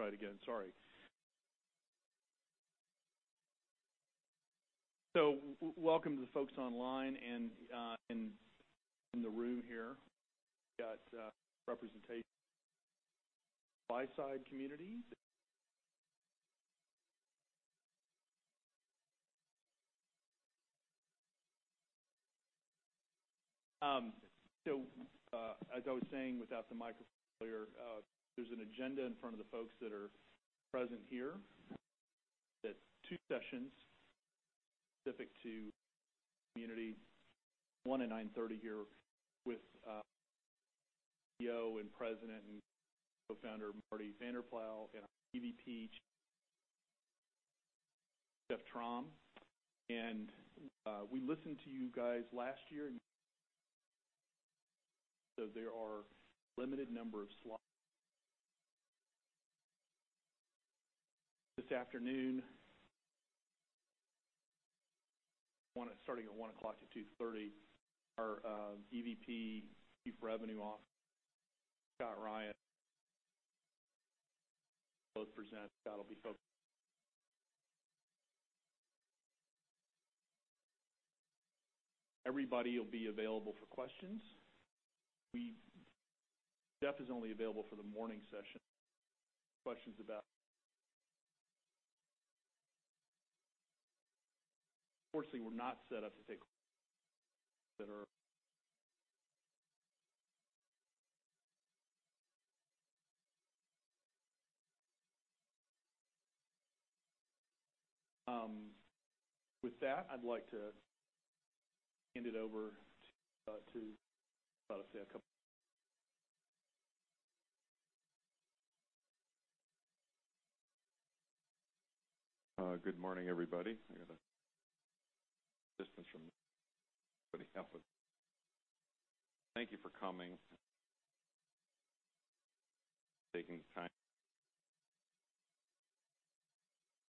Try it again. Sorry. Welcome to the folks online and in the room here. We've got representation from buy-side communities. As I was saying without the microphone earlier, there's an agenda in front of the folks that are present here. There's two sessions specific to the community, one at 9:30 here with CEO, president, and co-founder, Marty Vanderploeg, and our EVP, Jeff Trom. We listened to you guys last year, so there are a limited number of slots. This afternoon, starting at 1:00 to 2:30, our EVP, chief revenue officer, Scott Ryan will present. Everybody will be available for questions. Jeff is only available for the morning session for questions. With that, I'd like to hand it over to a couple. Good morning, everybody. I got assistance from everybody. Thank you for coming and taking the time.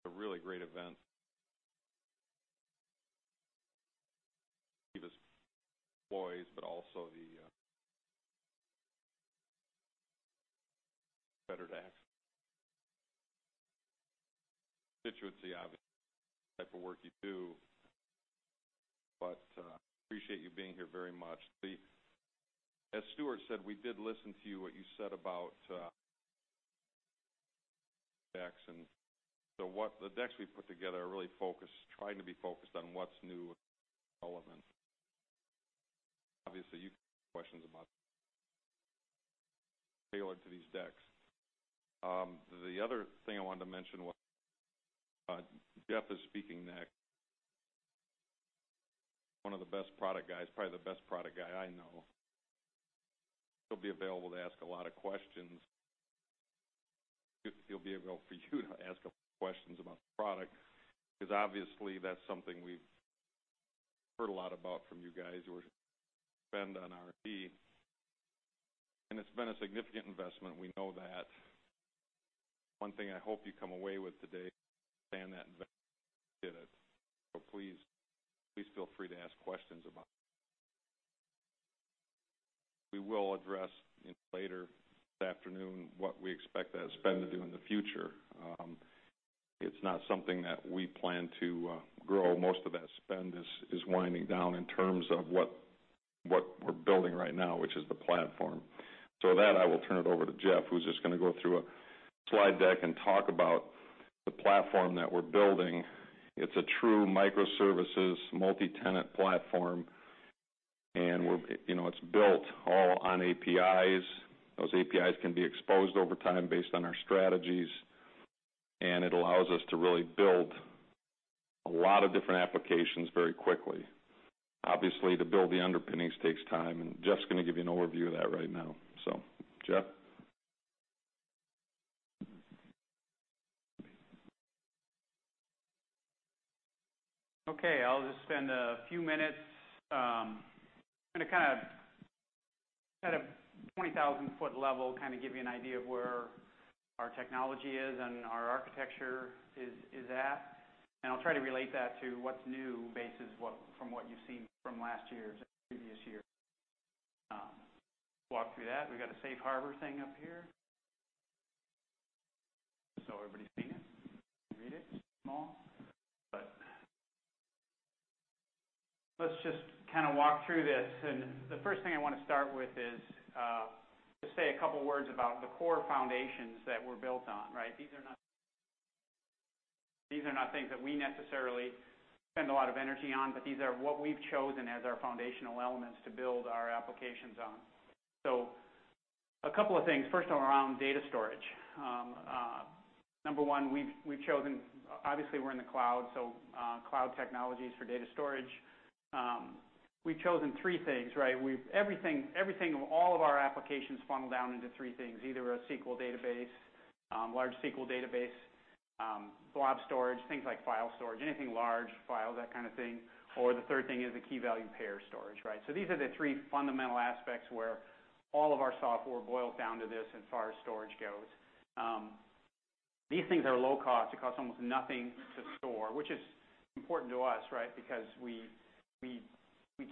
A really great event. Appreciate you being here very much. As Stuart said, we did listen to you, what you said about decks, and the decks we put together are really trying to be focused on what's new and relevant. Obviously, you have questions about tailored to these decks. The other thing I wanted to mention was Jeff is speaking next. One of the best product guys, probably the best product guy I know. He'll be available to ask a lot of questions. He'll be available for you to ask questions about the product, because obviously that's something we've heard a lot about from you guys, your spend on R&D. It's been a significant investment, we know that. One thing I hope you come away with today, understand that investment did it. Please feel free to ask questions. We will address later this afternoon what we expect that spend to do in the future. It's not something that we plan to grow. Most of that spend is winding down in terms of what we're building right now, which is the platform. That, I will turn it over to Jeff, who's just going to go through a slide deck and talk about the platform that we're building. It's a true microservices multi-tenant platform, and it's built all on APIs. Those APIs can be exposed over time based on our strategies, and it allows us to really build a lot of different applications very quickly. Obviously, to build the underpinnings takes time. Jeff's going to give you an overview of that right now. Jeff? Okay, I'll just spend a few minutes. I'm going to, at a 20,000-foot level, give you an idea of where our technology is and our architecture is at. I'll try to relate that to what's new, from what you've seen from last year's and previous years. Walk through that. We've got a safe harbor thing up here. Everybody see it and read it, small? Let's just walk through this. The first thing I want to start with is to say a couple words about the core foundations that we're built on. These are not things that we necessarily spend a lot of energy on, but these are what we've chosen as our foundational elements to build our applications on. A couple of things. First, around data storage. Number one, we've chosen, obviously, we're in the cloud, so cloud technologies for data storage. We've chosen three things. Everything, all of our applications funnel down into three things. Either a SQL database, large SQL database, blob storage, things like file storage, anything large, file, that kind of thing. Or the third thing is a key-value pair storage. These are the three fundamental aspects where all of our software boils down to this as far as storage goes. These things are low cost. They cost almost nothing to store, which is important to us, right? Because we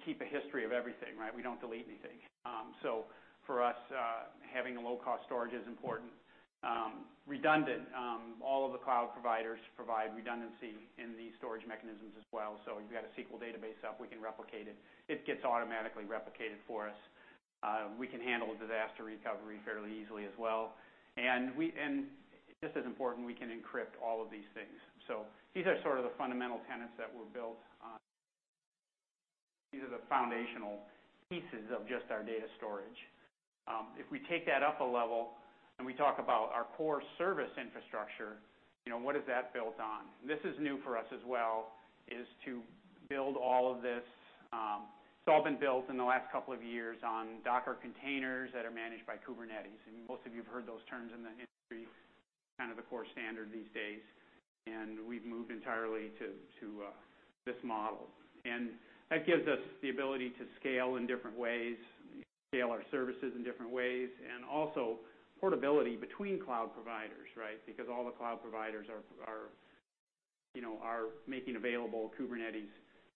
keep a history of everything, right? We don't delete anything. For us, having a low-cost storage is important. Redundant, all of the cloud providers provide redundancy in these storage mechanisms as well. If you've got a SQL database up, we can replicate it. It gets automatically replicated for us. We can handle a disaster recovery fairly easily as well. Just as important, we can encrypt all of these things. These are sort of the fundamental tenets that were built on. These are the foundational pieces of just our data storage. If we take that up a level and we talk about our core service infrastructure, what is that built on? This is new for us as well, is to build all of this. It's all been built in the last couple of years on Docker containers that are managed by Kubernetes. Most of you have heard those terms in the industry, kind of the core standard these days, we've moved entirely to this model. That gives us the ability to scale in different ways, scale our services in different ways, also portability between cloud providers, right? Because all the cloud providers are making available Kubernetes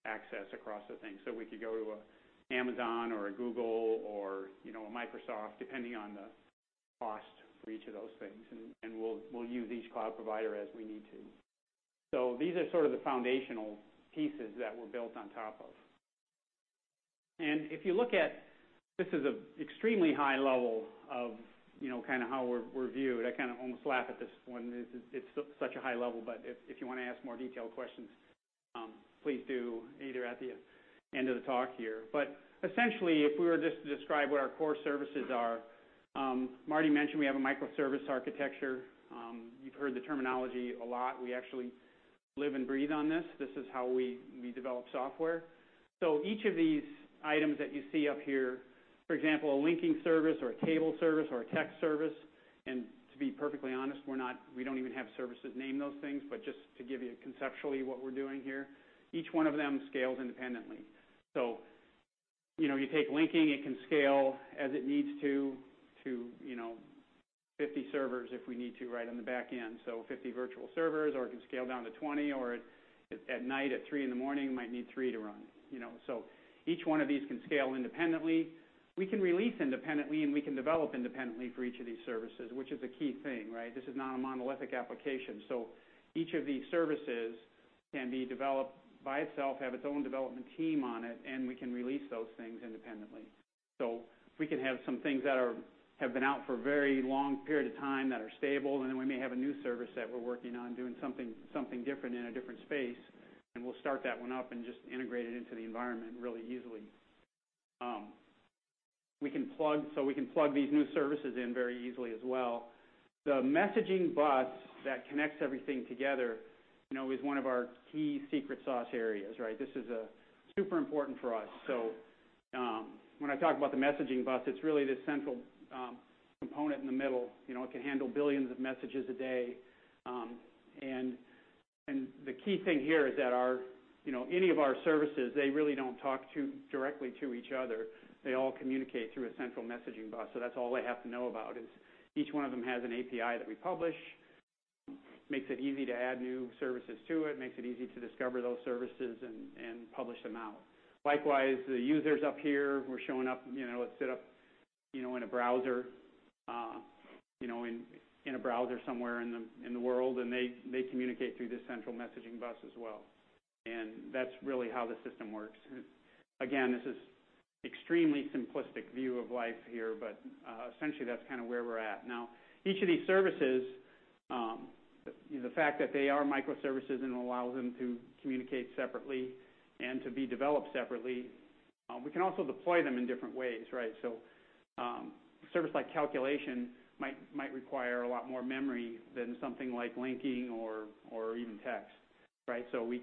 access across the thing. We could go to an Amazon or a Google or a Microsoft, depending on the cost for each of those things, we'll use each cloud provider as we need to. These are sort of the foundational pieces that were built on top of. If you look at this is an extremely high level of how we're viewed. I kind of almost laugh at this one. It's such a high level, but if you want to ask more detailed questions, please do, either at the end of the talk here. Essentially, if we were just to describe what our core services are, Marty mentioned we have a microservice architecture. You've heard the terminology a lot. We actually live and breathe on this. This is how we develop software. Each of these items that you see up here, for example, a linking service or a table service or a text service, to be perfectly honest, we don't even have services named those things, just to give you conceptually what we're doing here, each one of them scales independently. You take linking, it can scale as it needs to 50 servers if we need to, right on the back end. 50 virtual servers, or it can scale down to 20, or at night at 3:00 in the morning, it might need three to run. Each one of these can scale independently. We can release independently, we can develop independently for each of these services, which is a key thing, right? This is not a monolithic application. Each of these services can be developed by itself, have its own development team on it, we can release those things independently. We can have some things that have been out for a very long period of time that are stable, then we may have a new service that we're working on doing something different in a different space, we'll start that one up and just integrate it into the environment really easily. We can plug these new services in very easily as well. The messaging bus that connects everything together is one of our key secret sauce areas, right? This is super important for us. When I talk about the messaging bus, it's really this central component in the middle. It can handle billions of messages a day. The key thing here is that any of our services, they really don't talk directly to each other. They all communicate through a central messaging bus. That's all they have to know about is each one of them has an API that we publish. Makes it easy to add new services to it, makes it easy to discover those services and publish them out. Likewise, the users up here were showing up, let's say up in a browser somewhere in the world, they communicate through this central messaging bus as well. That's really how the system works. Again, this is extremely simplistic view of life here, essentially that's kind of where we're at. Each of these services, the fact that they are microservices allows them to communicate separately and to be developed separately, we can also deploy them in different ways, right? Service like calculation might require a lot more memory than something like linking or even text, right? We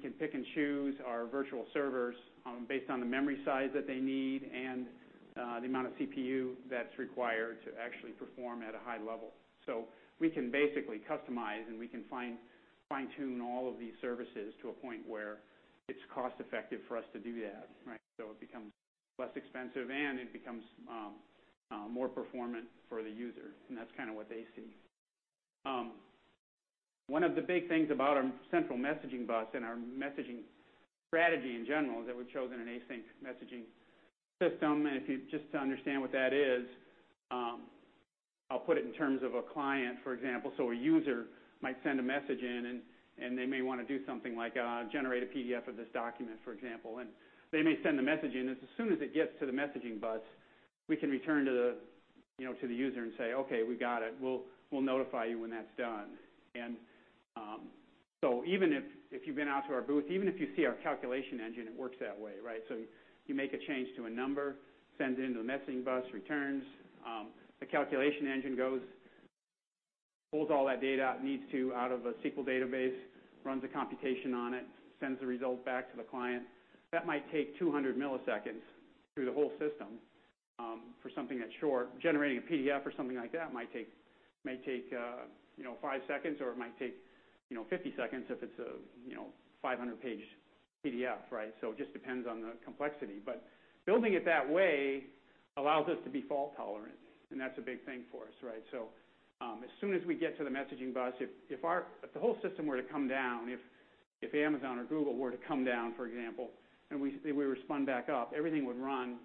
can pick and choose our virtual servers based on the memory size that they need and the amount of CPU that's required to actually perform at a high level. We can basically customize, we can fine-tune all of these services to a point where it's cost effective for us to do that, right? It becomes less expensive, it becomes more performant for the user, that's kind of what they see. One of the big things about our central messaging bus and our messaging strategy in general is that we've chosen an async messaging system. If you just understand what that is, I'll put it in terms of a client, for example. A user might send a message in, they may want to do something like generate a PDF of this document, for example, they may send the message in. As soon as it gets to the messaging bus, we can return to the user and say, "Okay, we got it. We'll notify you when that's done." Even if you've been out to our booth, even if you see our calculation engine, it works that way, right? You make a change to a number, sends it into the messaging bus, returns. The calculation engine goes, pulls all that data it needs to out of a SQL database, runs a computation on it, sends the result back to the client. That might take 200 milliseconds through the whole system for something that's short. Generating a PDF or something like that might take five seconds, or it might take 50 seconds if it's a 500-page PDF, right? It just depends on the complexity. Building it that way allows us to be fault-tolerant, that's a big thing for us, right? As soon as we get to the messaging bus, if the whole system were to come down, if Amazon or Google were to come down, for example, we were spun back up, everything would run,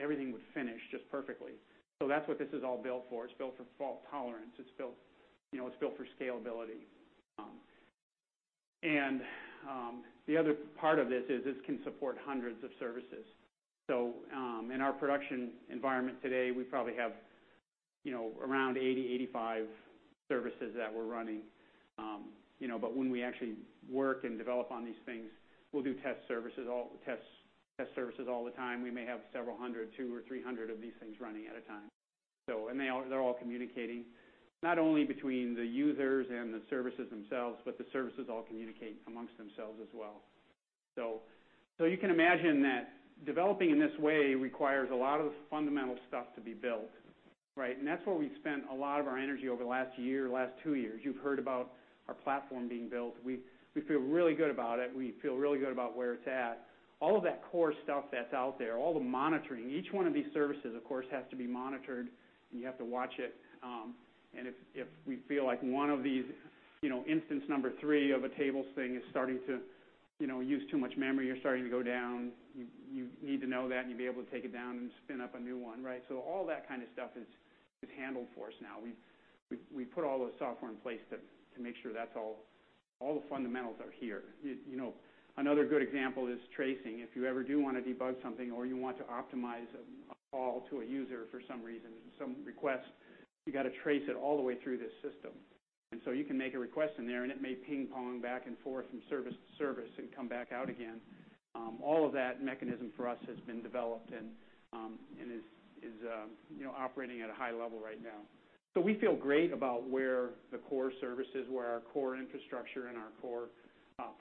everything would finish just perfectly. That's what this is all built for. It's built for fault tolerance. It's built for scalability. The other part of this is this can support hundreds of services. In our production environment today, we probably have around 80, 85 services that we're running. When we actually work and develop on these things, we'll do test services all the time. We may have several hundred, 200 or 300 of these things running at a time. They're all communicating, not only between the users and the services themselves, but the services all communicate amongst themselves as well. You can imagine that developing in this way requires a lot of fundamental stuff to be built, right? That's where we've spent a lot of our energy over the last year, the last two years. You've heard about our platform being built. We feel really good about it. We feel really good about where it's at. All of that core stuff that's out there, all the monitoring. Each one of these services, of course, has to be monitored, you have to watch it. If we feel like one of these, instance number 3 of a tables thing is starting to use too much memory or starting to go down, you need to know that, you be able to take it down and spin up a new one. All that kind of stuff is handled for us now. We put all the software in place to make sure that all the fundamentals are here. Another good example is tracing. If you ever do want to debug something, or you want to optimize a call to a user for some reason, some request, you got to trace it all the way through this system. You can make a request in there, it may ping pong back and forth from service to service and come back out again. All of that mechanism for us has been developed and is operating at a high level right now. We feel great about where the core services, where our core infrastructure and our core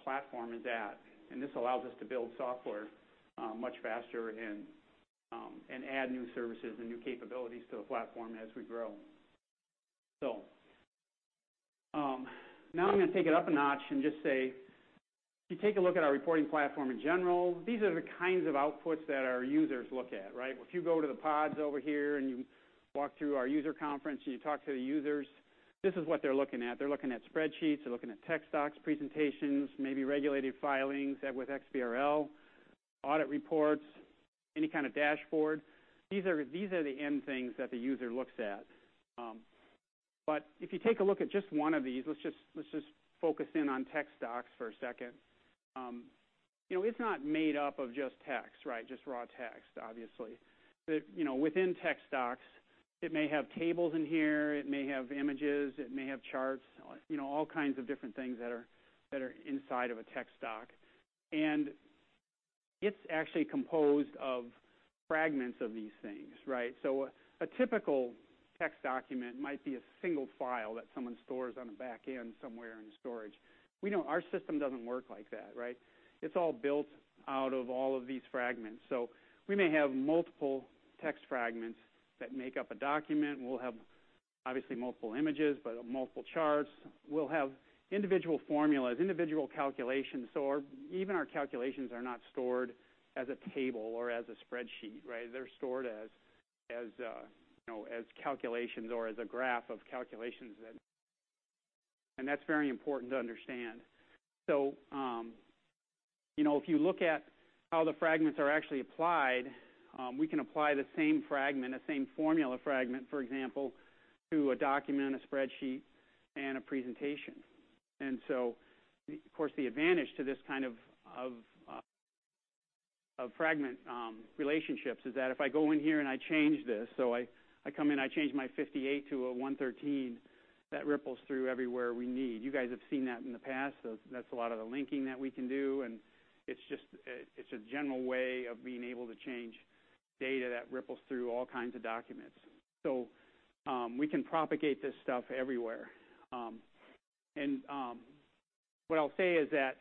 platform is at. This allows us to build software much faster and add new services and new capabilities to the platform as we grow. Now I'm going to take it up a notch and just say, if you take a look at our reporting platform in general, these are the kinds of outputs that our users look at, right. If you go to the pods over here and you walk through our user conference and you talk to the users, this is what they're looking at. They're looking at Spreadsheets, they're looking at text docs, presentations, maybe regulated filings with XBRL, audit reports, any kind of dashboard. These are the end things that the user looks at. If you take a look at just one of these, let's just focus in on text docs for a second. It's not made up of just text, right. Just raw text, obviously. But within text docs, it may have tables in here, it may have images, it may have charts, all kinds of different things that are inside of a text doc. It's actually composed of fragments of these things, right. A typical text document might be a single file that someone stores on the back end somewhere in storage. We know our system doesn't work like that, right. It's all built out of all of these fragments. We may have multiple text fragments that make up a document. We'll have, obviously, multiple images, multiple charts. We'll have individual formulas, individual calculations. Even our calculations are not stored as a table or as a Spreadsheet, right. They're stored as calculations or as a graph of calculations. That's very important to understand. If you look at how the fragments are actually applied, we can apply the same fragment, the same formula fragment, for example, to a document, a Spreadsheet, and a presentation. Of course, the advantage to this kind of fragment relationships is that if I go in here and I change this, I come in, I change my 58 to a 113, that ripples through everywhere we need. You guys have seen that in the past. That's a lot of the linking that we can do, and it's a general way of being able to change data that ripples through all kinds of documents. We can propagate this stuff everywhere. What I'll say is that,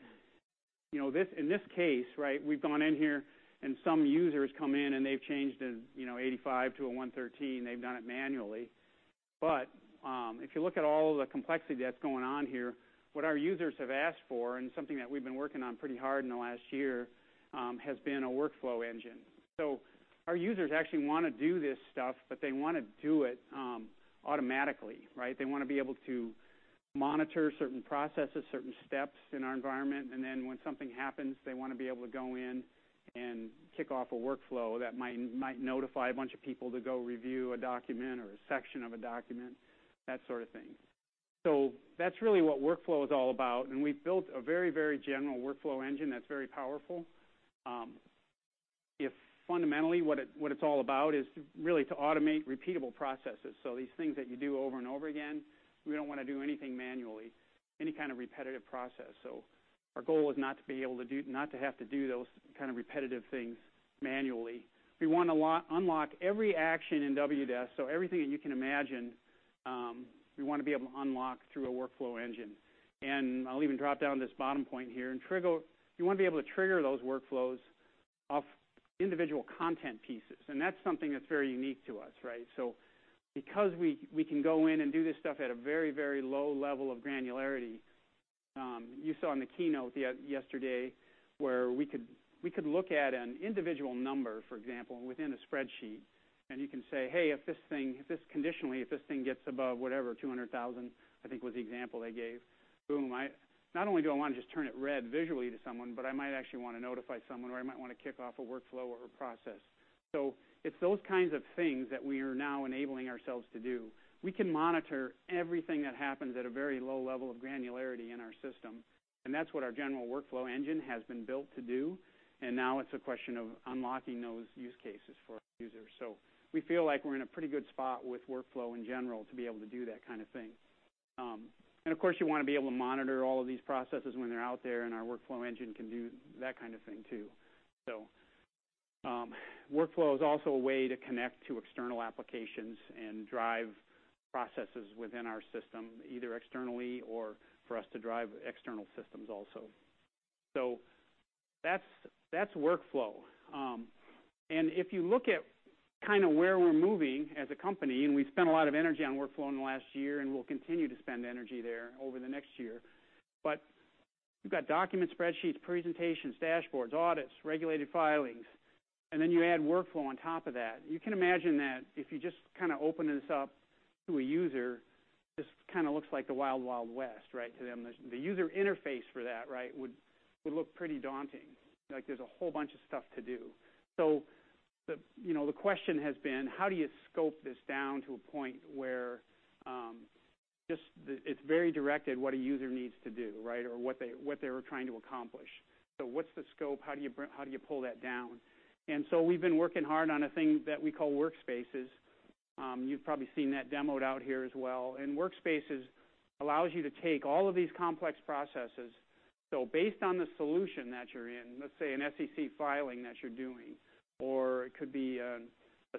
in this case, we've gone in here, and some users come in, and they've changed an 85 to a 113. They've done it manually. If you look at all of the complexity that's going on here, what our users have asked for, and something that we've been working on pretty hard in the last year, has been a workflow engine. Our users actually want to do this stuff, but they want to do it automatically, right. They want to be able to monitor certain processes, certain steps in our environment, and then when something happens, they want to be able to go in and kick off a workflow that might notify a bunch of people to go review a document or a section of a document, that sort of thing. That's really what workflow is all about, and we've built a very general workflow engine that's very powerful. If fundamentally what it's all about is really to automate repeatable processes, these things that you do over and over again. We don't want to do anything manually, any kind of repetitive process. Our goal is not to have to do those kind of repetitive things manually. We want to unlock every action in Wdesk. Everything that you can imagine, we want to be able to unlock through a workflow engine. I'll even drop down to this bottom point here. You want to be able to trigger those workflows of individual content pieces. That's something that's very unique to us, right? Because we can go in and do this stuff at a very, very low level of granularity, you saw in the keynote yesterday where we could look at an individual number, for example, within a Spreadsheet, and you can say, "Hey, conditionally, if this thing gets above whatever, 200,000," I think was the example they gave, boom. Not only do I want to just turn it red visually to someone, but I might actually want to notify someone, or I might want to kick off a workflow or a process. It's those kinds of things that we are now enabling ourselves to do. We can monitor everything that happens at a very low level of granularity in our system, and that's what our general workflow engine has been built to do, and now it's a question of unlocking those use cases for our users. We feel like we're in a pretty good spot with workflow in general to be able to do that kind of thing. Of course, you want to be able to monitor all of these processes when they're out there, and our workflow engine can do that kind of thing too. Workflow is also a way to connect to external applications and drive processes within our system, either externally or for us to drive external systems also. That's workflow. If you look at where we're moving as a company, and we've spent a lot of energy on workflow in the last year, and we'll continue to spend energy there over the next year, but you've got documents, Spreadsheets, presentations, dashboards, audits, regulated filings, and then you add workflow on top of that. You can imagine that if you just open this up to a user, this kind of looks like the Wild Wild West to them. The user interface for that would look pretty daunting. Like there's a whole bunch of stuff to do. The question has been, how do you scope this down to a point where just, it's very directed what a user needs to do, or what they were trying to accomplish. What's the scope? How do you pull that down? We've been working hard on a thing that we call Workspaces. You've probably seen that demoed out here as well. Workspaces allows you to take all of these complex processes. Based on the solution that you're in, let's say an SEC filing that you're doing, or it could be a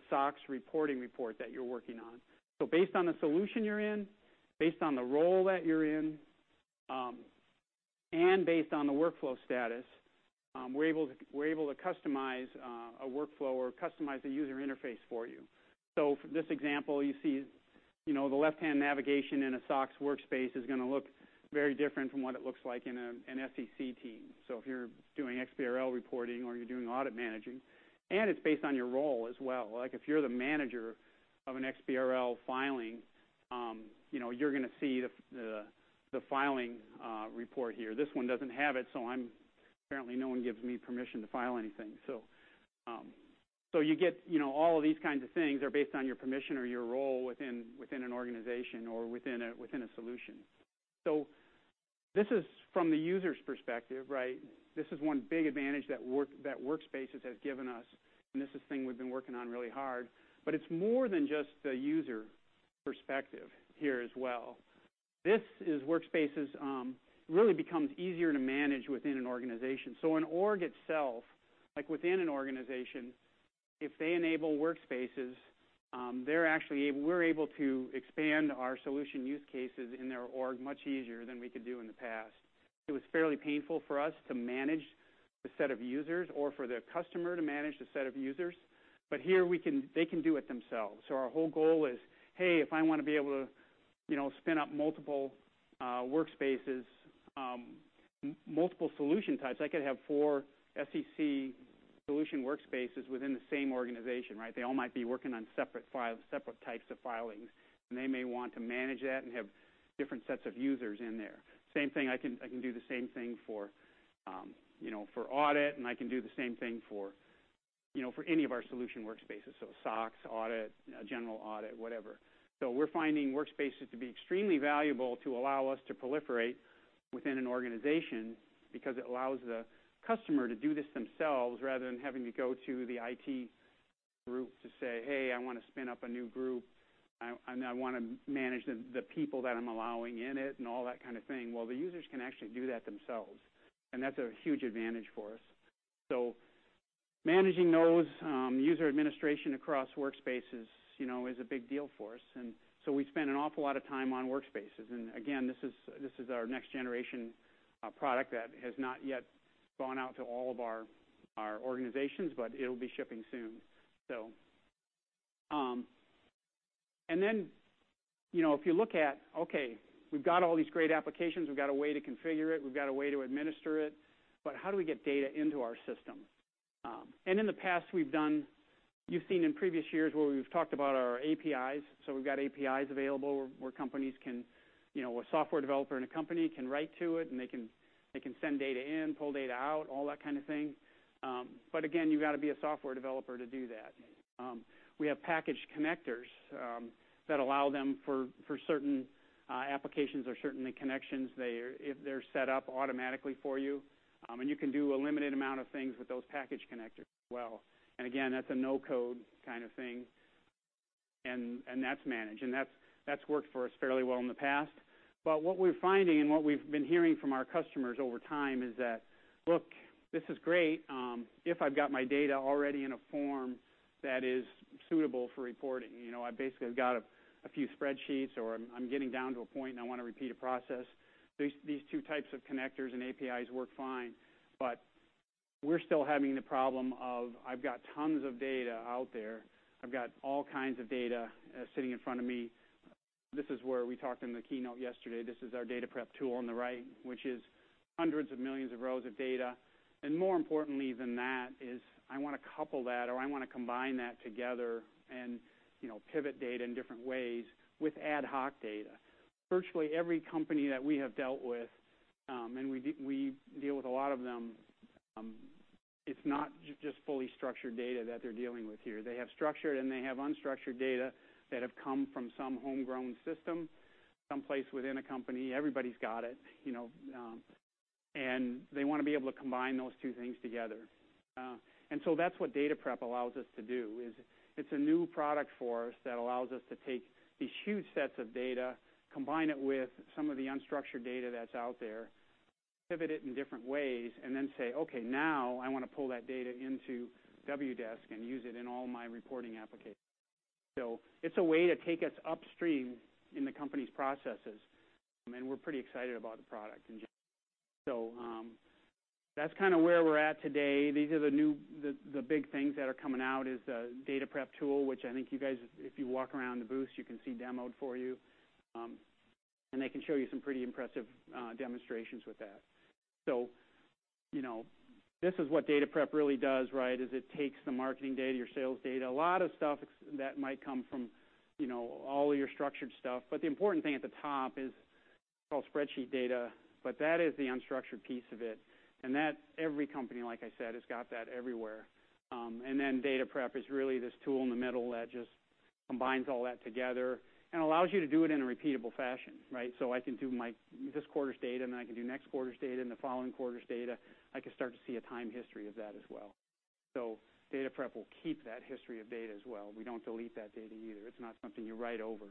SOX reporting report that you're working on. Based on the solution you're in, based on the role that you're in, and based on the workflow status, we're able to customize a workflow or customize a user interface for you. For this example, you see the left-hand navigation in a SOX Workspace is going to look very different from what it looks like in an SEC team. If you're doing XBRL reporting or you're doing audit managing, and it's based on your role as well. If you're the manager of an XBRL filing, you're going to see the filing report here. This one doesn't have it, apparently no one gives me permission to file anything. You get all of these kinds of things are based on your permission or your role within an organization or within a solution. This is from the user's perspective. This is one big advantage that Workspaces has given us, and this is a thing we've been working on really hard, but it's more than just the user perspective here as well. Workspaces really becomes easier to manage within an organization. An org itself, within an organization, if they enable Workspaces, we're able to expand our solution use cases in their org much easier than we could do in the past. It was fairly painful for us to manage the set of users or for the customer to manage the set of users, but here they can do it themselves. Our whole goal is, hey, if I want to be able to spin up multiple Workspaces, multiple solution types, I could have four SEC solution Workspaces within the same organization. They all might be working on separate types of filings, and they may want to manage that and have different sets of users in there. I can do the same thing for audit, and I can do the same thing for any of our solution Workspaces, SOX, audit, general audit, whatever. We're finding Workspaces to be extremely valuable to allow us to proliferate within an organization because it allows the customer to do this themselves rather than having to go to the IT group to say, "Hey, I want to spin up a new group, and I want to manage the people that I'm allowing in it," and all that kind of thing. The users can actually do that themselves, and that's a huge advantage for us. Managing those user administration across Workspaces is a big deal for us. We spend an awful lot of time on Workspaces. Again, this is our next generation product that has not yet gone out to all of our organizations, but it'll be shipping soon. If you look at, okay, we've got all these great applications, we've got a way to configure it, we've got a way to administer it, but how do we get data into our system? In the past, you've seen in previous years where we've talked about our APIs. We've got APIs available where a software developer in a company can write to it, and they can send data in, pull data out, all that kind of thing. Again, you've got to be a software developer to do that. We have packaged connectors that allow them, for certain applications or certain connections, they're set up automatically for you. You can do a limited amount of things with those package connectors as well. Again, that's a no-code kind of thing. That's managed, and that's worked for us fairly well in the past. What we're finding and what we've been hearing from our customers over time is that, "Look, this is great if I've got my data already in a form that is suitable for reporting. I basically have got a few Spreadsheets, or I'm getting down to a point and I want to repeat a process. These two types of connectors and APIs work fine, but we're still having the problem of, I've got tons of data out there. I've got all kinds of data sitting in front of me. This is where we talked in the keynote yesterday. This is our DataPrep tool on the right, which is hundreds of millions of rows of data. More importantly than that is, I want to couple that or I want to combine that together and pivot data in different ways with ad hoc data. Virtually every company that we have dealt with, and we deal with a lot of them, it's not just fully structured data that they're dealing with here. They have structured, and they have unstructured data that have come from some homegrown system someplace within a company. Everybody's got it. They want to be able to combine those two things together. That's what DataPrep allows us to do, is it's a new product for us that allows us to take these huge sets of data, combine it with some of the unstructured data that's out there, pivot it in different ways, and then say, "Okay, now I want to pull that data into Wdesk and use it in all my reporting applications." It's a way to take us upstream in the company's processes. We're pretty excited about the product in general. That's kind of where we're at today. These are the big things that are coming out is the DataPrep tool, which I think you guys, if you walk around the booth, you can see demoed for you. They can show you some pretty impressive demonstrations with that. This is what DataPrep really does, right, is it takes the marketing data, your sales data, a lot of stuff that might come from all of your structured stuff. The important thing at the top is called Spreadsheets data, but that is the unstructured piece of it. That, every company, like I said, has got that everywhere. DataPrep is really this tool in the middle that just combines all that together and allows you to do it in a repeatable fashion, right? I can do this quarter's data, then I can do next quarter's data and the following quarter's data. I can start to see a time history of that as well. DataPrep will keep that history of data as well. We don't delete that data either. It's not something you write over.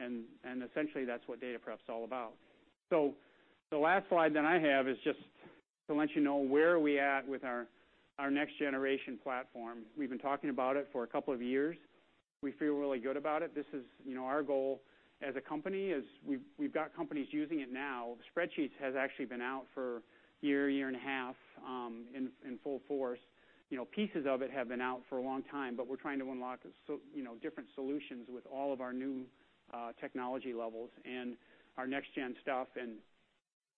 Essentially, that's what DataPrep's all about. The last slide that I have is just to let you know where are we at with our next generation platform. We've been talking about it for a couple of years. We feel really good about it. This is our goal as a company, is we've got companies using it now. Spreadsheets has actually been out for a year and a half, in full force. Pieces of it have been out for a long time, but we're trying to unlock different solutions with all of our new technology levels and our next-gen stuff.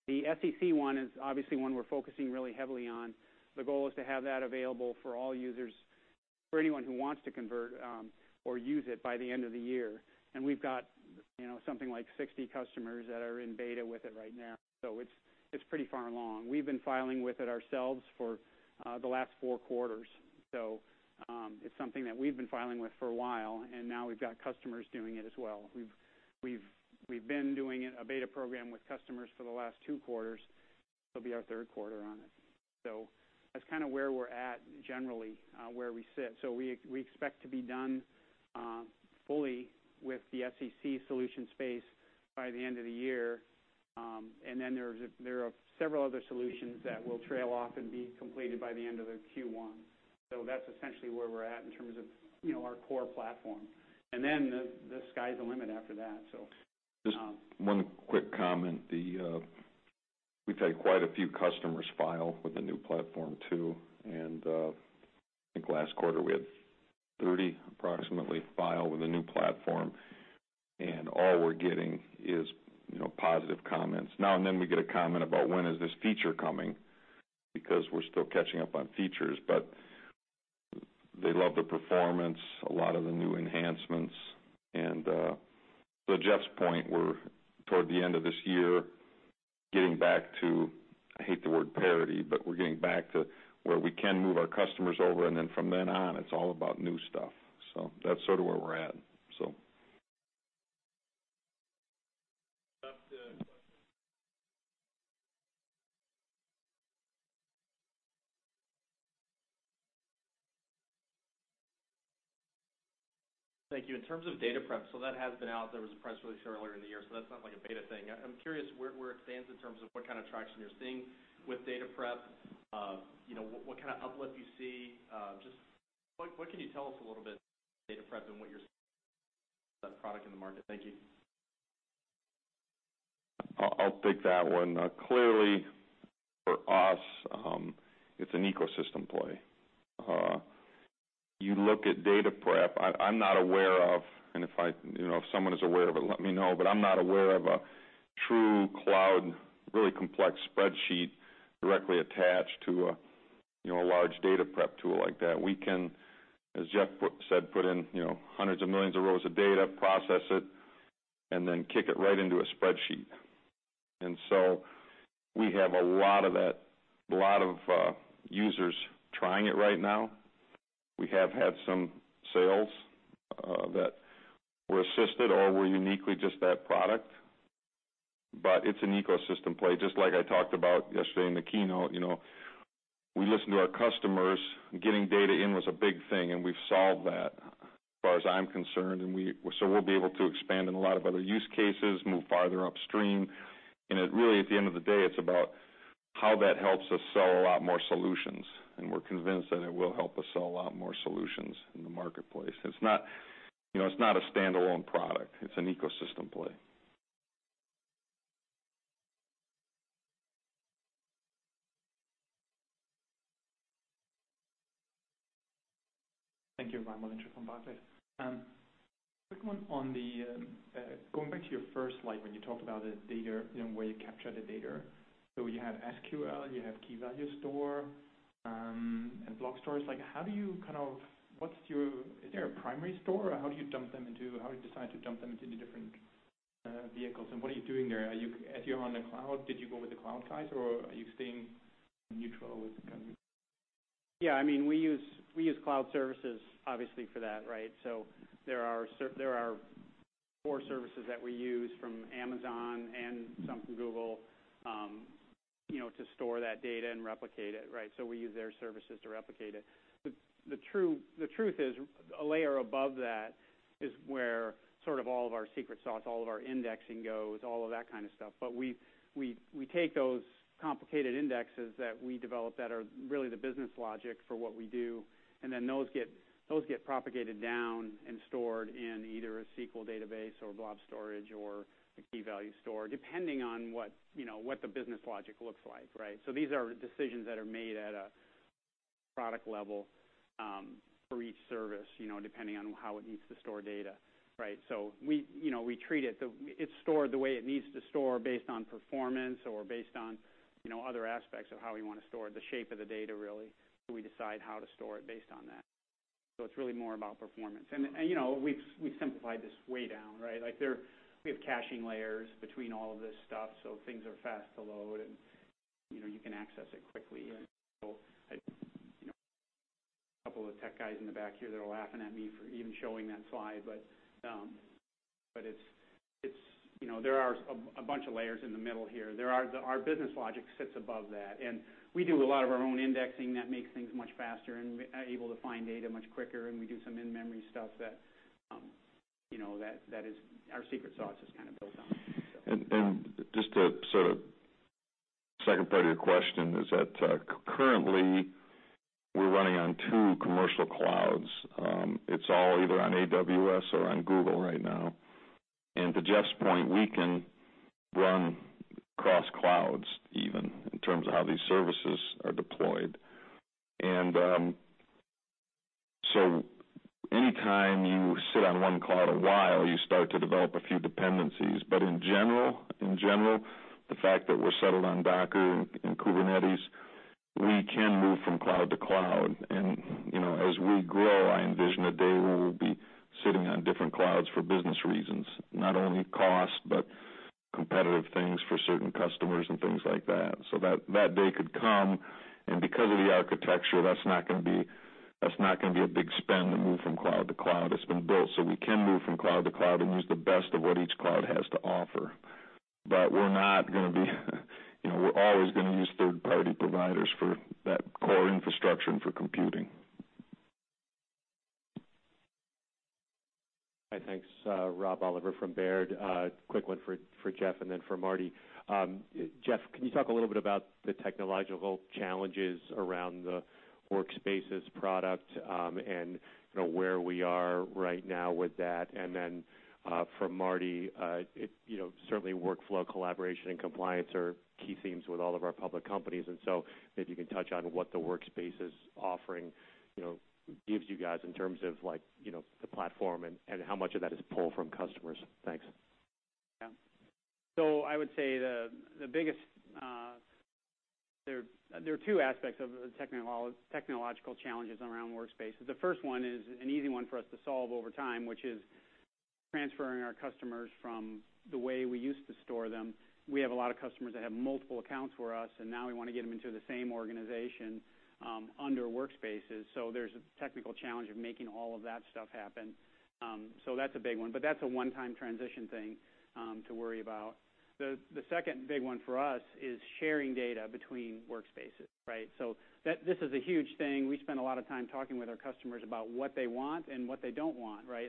The SEC one is obviously one we're focusing really heavily on. The goal is to have that available for all users, for anyone who wants to convert or use it by the end of the year. We've got something like 60 customers that are in beta with it right now, it's pretty far along. We've been filing with it ourselves for the last 4 quarters. It's something that we've been filing with for a while, and now we've got customers doing it as well. We've been doing a beta program with customers for the last 2 quarters. It'll be our third quarter on it. That's kind of where we're at, generally, where we sit. We expect to be done fully with the SEC solution space by the end of the year. Then there are several other solutions that will trail off and be completed by the end of the Q1. That's essentially where we're at in terms of our core platform. Then the sky's the limit after that. Just one quick comment. We've had quite a few customers file with the new platform too, and I think last quarter, we had 30, approximately, file with the new platform, and all we're getting is positive comments. Now and then we get a comment about when is this feature coming, because we're still catching up on features. They love the performance, a lot of the new enhancements. To Jeff's point, we're, toward the end of this year, getting back to, I hate the word parity, but we're getting back to where we can move our customers over, and then from then on, it's all about new stuff. That's sort of where we're at. Up to Thank you. In terms of DataPrep, that has been out. There was a press release earlier in the year, that's not like a beta thing. I'm curious where it stands in terms of what kind of traction you're seeing with DataPrep. What kind of uplift you see. Just what can you tell us a little bit about DataPrep and what you're seeing with that product in the market? Thank you. I'll take that one. Clearly, for us, it's an ecosystem play. You look at DataPrep, I'm not aware of, and if someone is aware of it, let me know, but I'm not aware of a true cloud, really complex Spreadsheet directly attached to a large data prep tool like that. We can, as Jeff said, put in hundreds of millions of rows of data, process it, and then kick it right into a Spreadsheet. We have a lot of users trying it right now. We have had some sales that were assisted or were uniquely just that product. It's an ecosystem play, just like I talked about yesterday in the keynote. We listen to our customers. Getting data in was a big thing, we've solved that, as far as I'm concerned. We'll be able to expand in a lot of other use cases, move farther upstream. It really, at the end of the day, it's about how that helps us sell a lot more solutions, and we're convinced that it will help us sell a lot more solutions in the marketplace. It's not a standalone product. It's an ecosystem play. Thank you. Ryan Mulinchuk from Bartlett. Quick one on the going back to your first slide, when you talked about the data, where you capture the data. You have SQL, you have key-value store, and blob storage. Is there a primary store, or how do you decide to dump them into the different vehicles? What are you doing there? As you're on the cloud, did you go with the cloud guys or are you staying neutral with kind of We use cloud services obviously for that, right? There are core services that we use from Amazon and some from Google to store that data and replicate it, right? We use their services to replicate it. The truth is, a layer above that is where sort of all of our secret sauce, all of our indexing goes, all of that kind of stuff. We take those complicated indexes that we develop that are really the business logic for what we do, and then those get propagated down and stored in either a SQL database or blob storage or a key-value store, depending on what the business logic looks like, right? These are decisions that are made at a product level, for each service, depending on how it needs to store data, right? It's stored the way it needs to store based on performance or based on other aspects of how we want to store the shape of the data, really. We decide how to store it based on that. It's really more about performance. We've simplified this way down, right? We have caching layers between all of this stuff, so things are fast to load and you can access it quickly. Couple of tech guys in the back here that are laughing at me for even showing that slide. There are a bunch of layers in the middle here. Our business logic sits above that, and we do a lot of our own indexing that makes things much faster and able to find data much quicker, and we do some in-memory stuff that our secret sauce is kind of built on. Just to sort of second part of your question is that, currently we're running on two commercial clouds. It's all either on AWS or on Google right now. To Jeff's point, we can run cross clouds even, in terms of how these services are deployed. Anytime you sit on one cloud a while, you start to develop a few dependencies. In general, the fact that we're settled on Docker and Kubernetes, we can move from cloud to cloud. As we grow, I envision a day where we'll be sitting on different clouds for business reasons, not only cost, but competitive things for certain customers and things like that. That day could come, and because of the architecture, that's not going to be a big spend to move from cloud to cloud. It's been built so we can move from cloud to cloud and use the best of what each cloud has to offer. We're always going to use third-party providers for that core infrastructure and for computing. Hi, thanks. Rob Oliver from Baird. Quick one for Jeff and then for Marty. Jeff, can you talk a little bit about the technological challenges around the WorkSpaces product, and where we are right now with that? Then for Marty, certainly workflow, collaboration, and compliance are key themes with all of our public companies. So maybe you can touch on what the WorkSpaces offering gives you guys in terms of the platform and how much of that is pull from customers. Thanks. Yeah. I would say the biggest. There are two aspects of the technological challenges around WorkSpaces. The first one is an easy one for us to solve over time, which is transferring our customers from the way we used to store them. We have a lot of customers that have multiple accounts for us, and now we want to get them into the same organization under WorkSpaces. There's a technical challenge of making all of that stuff happen. That's a big one, but that's a one-time transition thing to worry about. The second big one for us is sharing data between WorkSpaces, right? This is a huge thing. We spend a lot of time talking with our customers about what they want and what they don't want, right?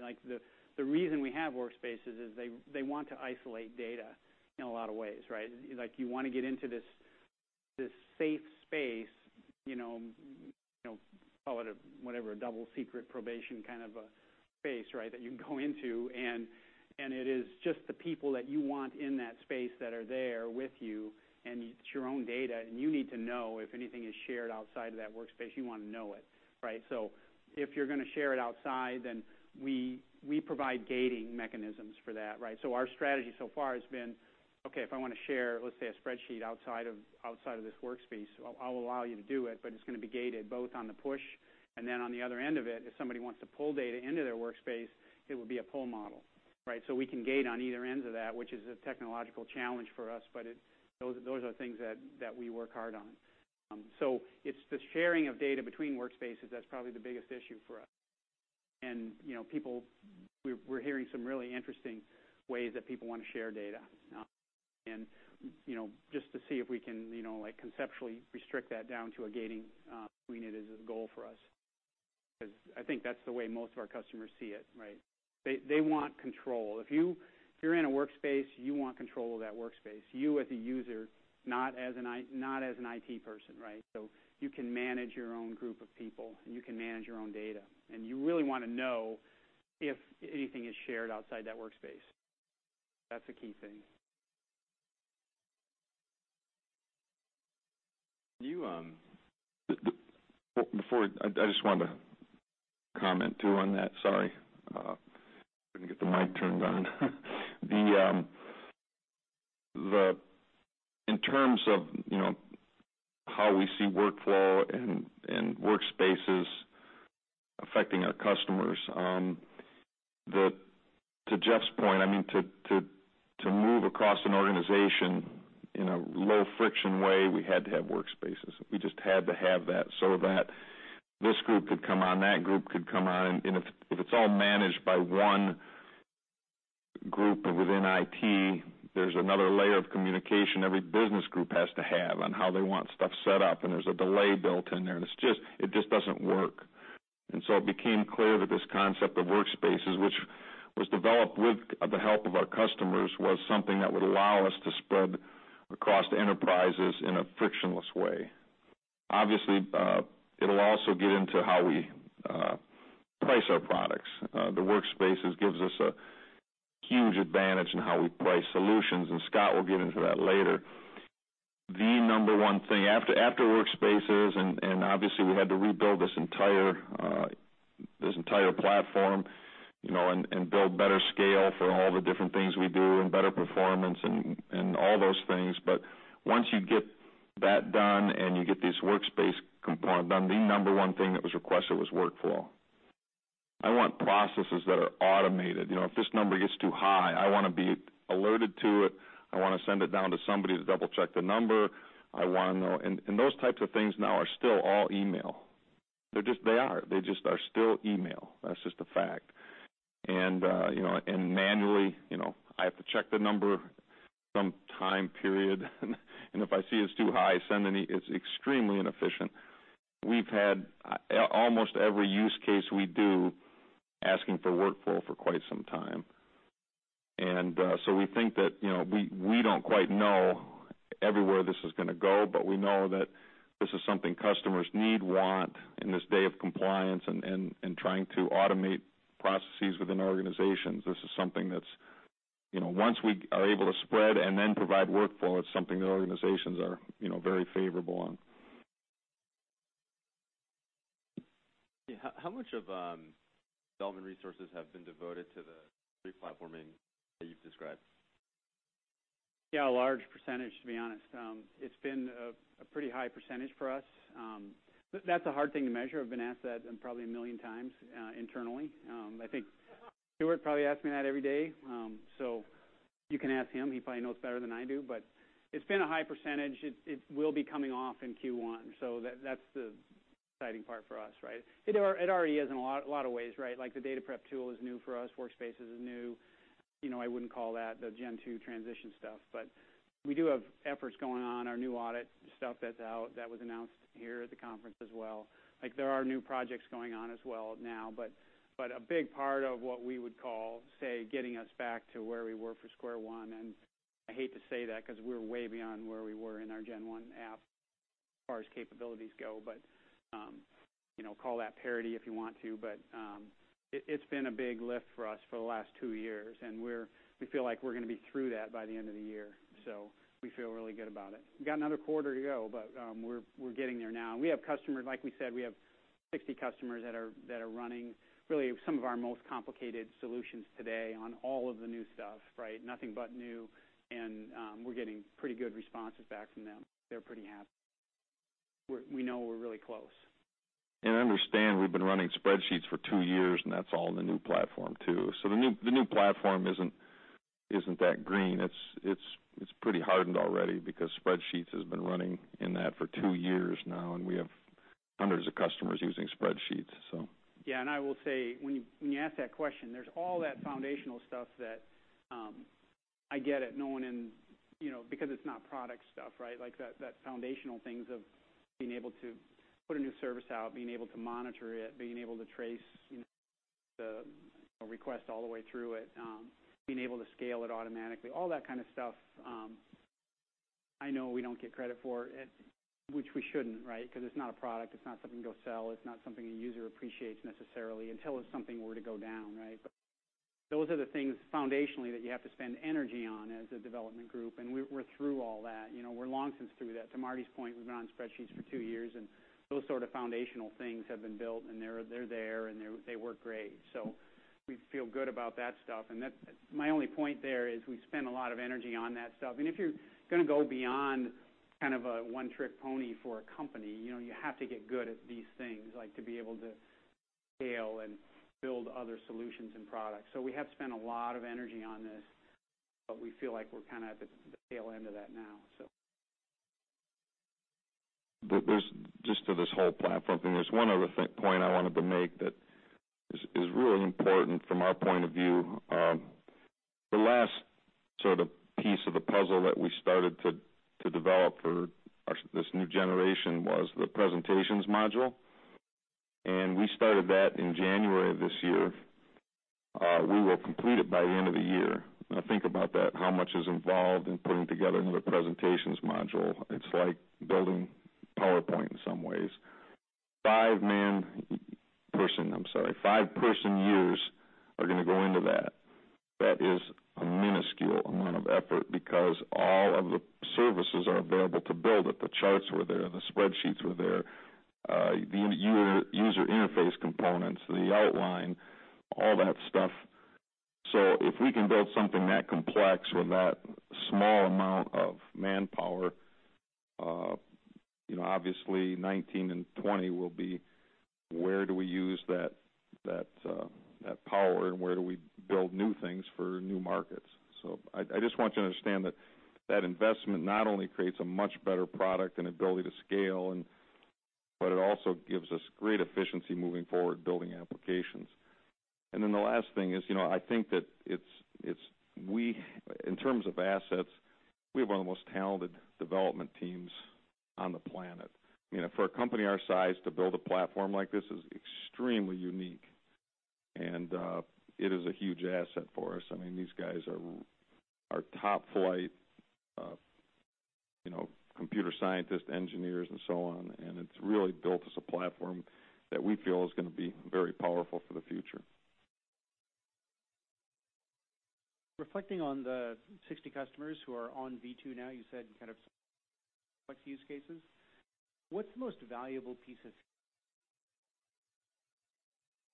The reason we have WorkSpaces is they want to isolate data in a lot of ways, right? You want to get into this safe space, call it a whatever, a double secret probation kind of a space, right? You can go into and it is just the people that you want in that space that are there with you, and it's your own data, and you need to know if anything is shared outside of that WorkSpace, you want to know it, right? If you're going to share it outside, then we provide gating mechanisms for that, right? Our strategy so far has been, okay, if I want to share, let's say, a Spreadsheet outside of this WorkSpace, I'll allow you to do it, but it's going to be gated both on the push and then on the other end of it, if somebody wants to pull data into their WorkSpace, it would be a pull model, right? We can gate on either ends of that, which is a technological challenge for us. Those are things that we work hard on. It's the sharing of data between WorkSpaces that's probably the biggest issue for us. People. We're hearing some really interesting ways that people want to share data. Just to see if we can conceptually restrict that down to a gating unit is a goal for us, because I think that's the way most of our customers see it, right? They want control. If you're in a WorkSpace, you want control of that WorkSpace. You as a user, not as an IT person, right? You can manage your own group of people, and you can manage your own data, and you really want to know if anything is shared outside that WorkSpace. That's a key thing. Before, I just wanted to comment too on that. Sorry. Couldn't get the mic turned on. In terms of how we see workflow and Workspaces affecting our customers, to Jeff's point, to move across an organization in a low-friction way, we had to have Workspaces. We just had to have that so that this group could come on, that group could come on, and if it's all managed by one group within IT, there's another layer of communication every business group has to have on how they want stuff set up, and there's a delay built in there, and it just doesn't work. It became clear that this concept of Workspaces, which was developed with the help of our customers, was something that would allow us to spread across enterprises in a frictionless way. Obviously, it'll also get into how we price our products. The Workspaces gives us a huge advantage in how we price solutions, Scott will get into that later. The number 1 thing, after Workspaces, and obviously, we had to rebuild this entire platform, and build better scale for all the different things we do, and better performance, and all those things. Once you get that done and you get this Workspaces component done, the number 1 thing that was requested was workflow. I want processes that are automated. If this number gets too high, I want to be alerted to it. I want to send it down to somebody to double-check the number. Those types of things now are still all email. They are. They just are still email. That's just a fact. Manually, I have to check the number some time period, and if I see it's too high, it's extremely inefficient. We've had almost every use case we do asking for workflow for quite some time. We don't quite know everywhere this is going to go, but we know that this is something customers need, want in this day of compliance and trying to automate processes within organizations. This is something that's, once we are able to spread and then provide workflow, it's something that organizations are very favorable on. How much of development resources have been devoted to the replatforming that you've described? A large percentage, to be honest. It's been a pretty high percentage for us. That's a hard thing to measure. I've been asked that probably a million times internally. I think Stuart probably asks me that every day. You can ask him. He probably knows better than I do. It's been a high percentage. It will be coming off in Q1. That's the exciting part for us, right? It already is in a lot of ways, right? Like the Data Prep tool is new for us. Workspace is new. I wouldn't call that the Gen2 transition stuff. We do have efforts going on, our new audit stuff that's out, that was announced here at the conference as well. There are new projects going on as well now. A big part of what we would call, say, getting us back to where we were for square one, and I hate to say that because we're way beyond where we were in our Gen1 app as far as capabilities go, call that parity if you want to. It's been a big lift for us for the last 2 years, and we feel like we're going to be through that by the end of the year. We feel really good about it. We've got another quarter to go, but we're getting there now, and we have customers, like we said, we have 60 customers that are running really some of our most complicated solutions today on all of the new stuff, right? Nothing but new, and we're getting pretty good responses back from them. They're pretty happy. We know we're really close. Understand, we've been running Spreadsheets for 2 years, and that's all in the new platform too. The new platform isn't that green. It's pretty hardened already because Spreadsheets has been running in that for 2 years now, and we have hundreds of customers using Spreadsheets. I will say, when you ask that question, there's all that foundational stuff that I get it, because it's not product stuff, right? That foundational things of being able to put a new service out, being able to monitor it, being able to trace the request all the way through it, being able to scale it automatically, all that kind of stuff, I know we don't get credit for, which we shouldn't, right? Because it's not a product. It's not something you go sell. It's not something a user appreciates necessarily until if something were to go down, right? Those are the things foundationally that you have to spend energy on as a development group, and we're through all that. We're long since through that. To Marty's point, we've been on Spreadsheets for two years, and those sort of foundational things have been built, and they're there, and they work great. We feel good about that stuff. My only point there is we spend a lot of energy on that stuff. If you're going to go beyond kind of a one-trick pony for a company, you have to get good at these things, like to be able to scale and build other solutions and products. We have spent a lot of energy on this, but we feel like we're kind of at the tail end of that now. Just to this whole platform thing, there's one other point I wanted to make that is really important from our point of view. The last sort of piece of the puzzle that we started to develop for this new generation was the presentations module. We started that in January of this year. We will complete it by the end of the year. Now think about that, how much is involved in putting together the presentations module. It's like building PowerPoint in some ways. Five person years are going to go into that. That is a minuscule amount of effort because all of the services are available to build it. The charts were there, the Spreadsheets were there, the user interface components, the outline, all that stuff. If we can build something that complex with that small amount of manpower, obviously 2019 and 2020 will be where do we use that power and where do we build new things for new markets? I just want you to understand that that investment not only creates a much better product and ability to scale, but it also gives us great efficiency moving forward, building applications. Then the last thing is, I think that in terms of assets, we have one of the most talented development teams on the planet. For a company our size to build a platform like this is extremely unique, and it is a huge asset for us. These guys are top-flight computer scientists, engineers, and so on, and it's really built us a platform that we feel is going to be very powerful for the future. Reflecting on the 60 customers who are on V2 now, you said kind of use cases. What's the most valuable piece of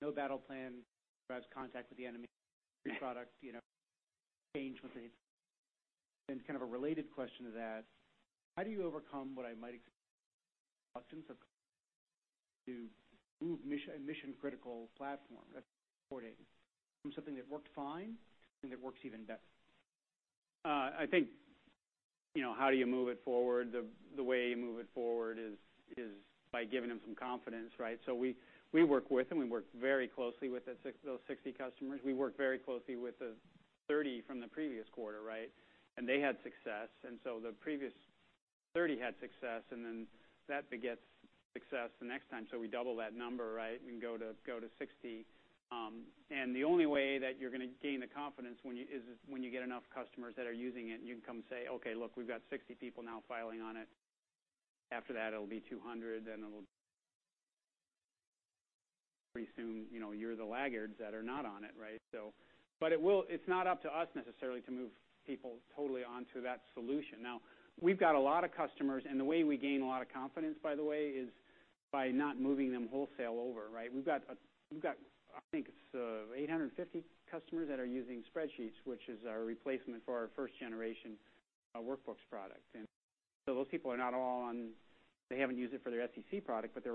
No battle plan drives contact with the enemy product, change with the kind of a related question to that, how do you overcome what I might expect Customers to move mission-critical platform that's supporting from something that worked fine and that works even better? I think, how do you move it forward? The way you move it forward is by giving them some confidence, right? We work with them. We work very closely with those 60 customers. We work very closely with the 30 from the previous quarter, right? They had success, the previous 30 had success, then that begets success the next time. We double that number, right? We can go to 60. The only way that you're going to gain the confidence is when you get enough customers that are using it, and you can come say, "Okay, look, we've got 60 people now filing on it." After that, it'll be 200. Pretty soon, you're the laggards that are not on it, right? It's not up to us necessarily to move people totally onto that solution. We've got a lot of customers, the way we gain a lot of confidence, by the way, is by not moving them wholesale over, right? We've got, I think it's 850 customers that are using Spreadsheets, which is our replacement for our first generation Workbooks product. Those people are not all on They haven't used it for their SEC product, but they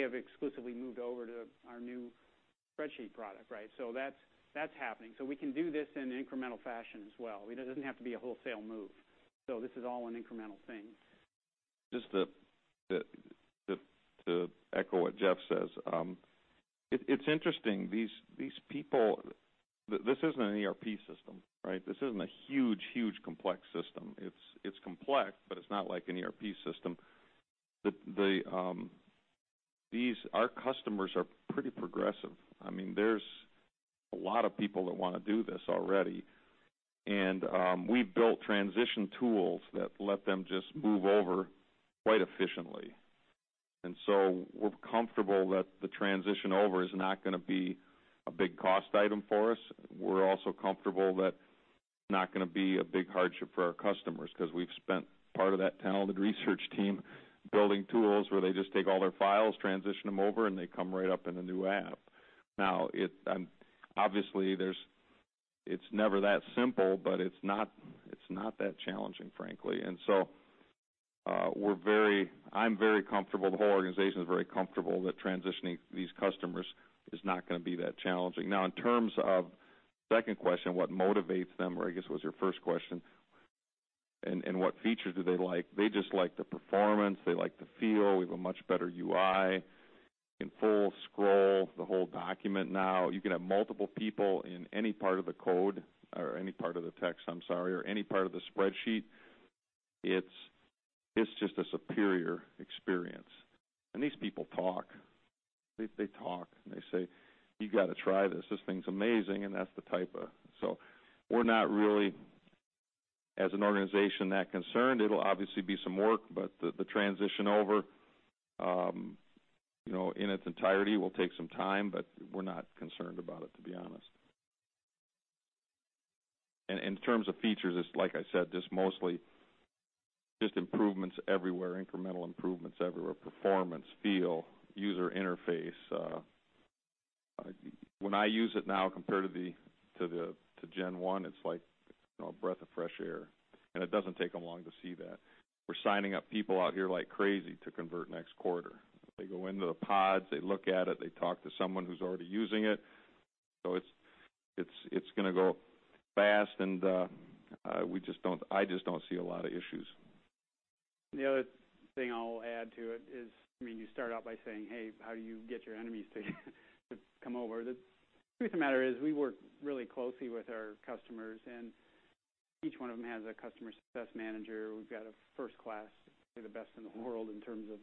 have exclusively moved over to our new Spreadsheet product, right? That's happening. We can do this in an incremental fashion as well. It doesn't have to be a wholesale move. This is all an incremental thing. Just to echo what Jeff says. It's interesting, this isn't an ERP system, right? This isn't a huge, complex system. It's complex, but it's not like an ERP system. Our customers are pretty progressive. There's a lot of people that want to do this already. We've built transition tools that let them just move over quite efficiently. We're comfortable that the transition over is not going to be a big cost item for us. We're also comfortable that it's not going to be a big hardship for our customers because we've spent part of that talented research team building tools where they just take all their files, transition them over, and they come right up in a new app. Obviously it's never that simple, but it's not that challenging, frankly. I'm very comfortable, the whole organization is very comfortable that transitioning these customers is not going to be that challenging. In terms of second question, what motivates them, or I guess it was your first question, what features do they like? They just like the performance. They like the feel. We have a much better UI. In full scroll, the whole document now. You can have multiple people in any part of the code or any part of the text, I'm sorry, or any part of the Spreadsheet. It's just a superior experience. These people talk. They talk and they say, "You got to try this. This thing's amazing." That's the type. We're not really, as an organization, that concerned. It'll obviously be some work, the transition over, in its entirety, will take some time, we're not concerned about it, to be honest. In terms of features, it's like I said, just mostly just improvements everywhere, incremental improvements everywhere, performance, feel, user interface. When I use it now compared to Gen1, it's like a breath of fresh air. It doesn't take them long to see that. We're signing up people out here like crazy to convert next quarter. They go into the pods, they look at it, they talk to someone who's already using it. It's going to go fast, and I just don't see a lot of issues. The other thing I'll add to it is, you start out by saying, "Hey, how do you get your enemies to come over?" The truth of the matter is, we work really closely with our customers, each one of them has a customer success manager. We've got a first-class, probably the best in the world in terms of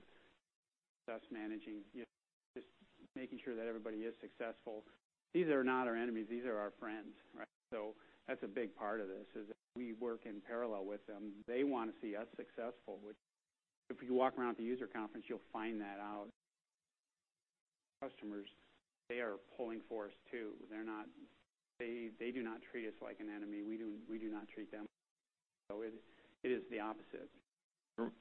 success managing, just making sure that everybody is successful. These are not our enemies. These are our friends, right? That's a big part of this, is that we work in parallel with them. They want to see us successful. If you walk around at the user conference, you'll find that out. Customers, they are pulling for us, too. They do not treat us like an enemy. We do not treat them. It is the opposite.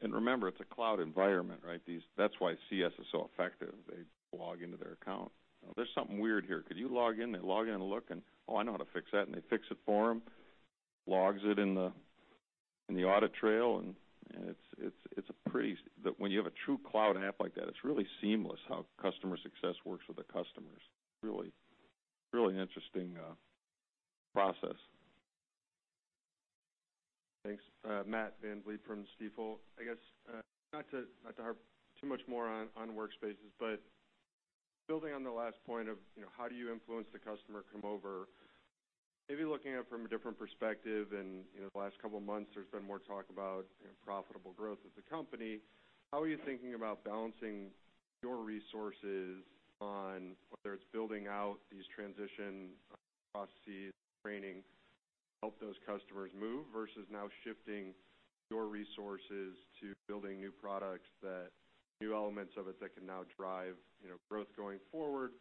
Remember, it's a cloud environment, right? That's why CS is so effective. They log into their account. "There's something weird here. Could you log in?" They log in and look, "Oh, I know how to fix that." They fix it for them, logs it in the audit trail. When you have a true cloud app like that, it's really seamless how customer success works with the customers. Really interesting process. Thanks. Matt VanVliet from Stifel. I guess, not to harp too much more on Workspaces, building on the last point of how do you influence the customer to come over, maybe looking at it from a different perspective. The last couple of months, there's been more talk about profitable growth as a company. How are you thinking about balancing your resources on whether it's building out these transition processes, training to help those customers move, versus now shifting your resources to building new products, new elements of it that can now drive growth going forward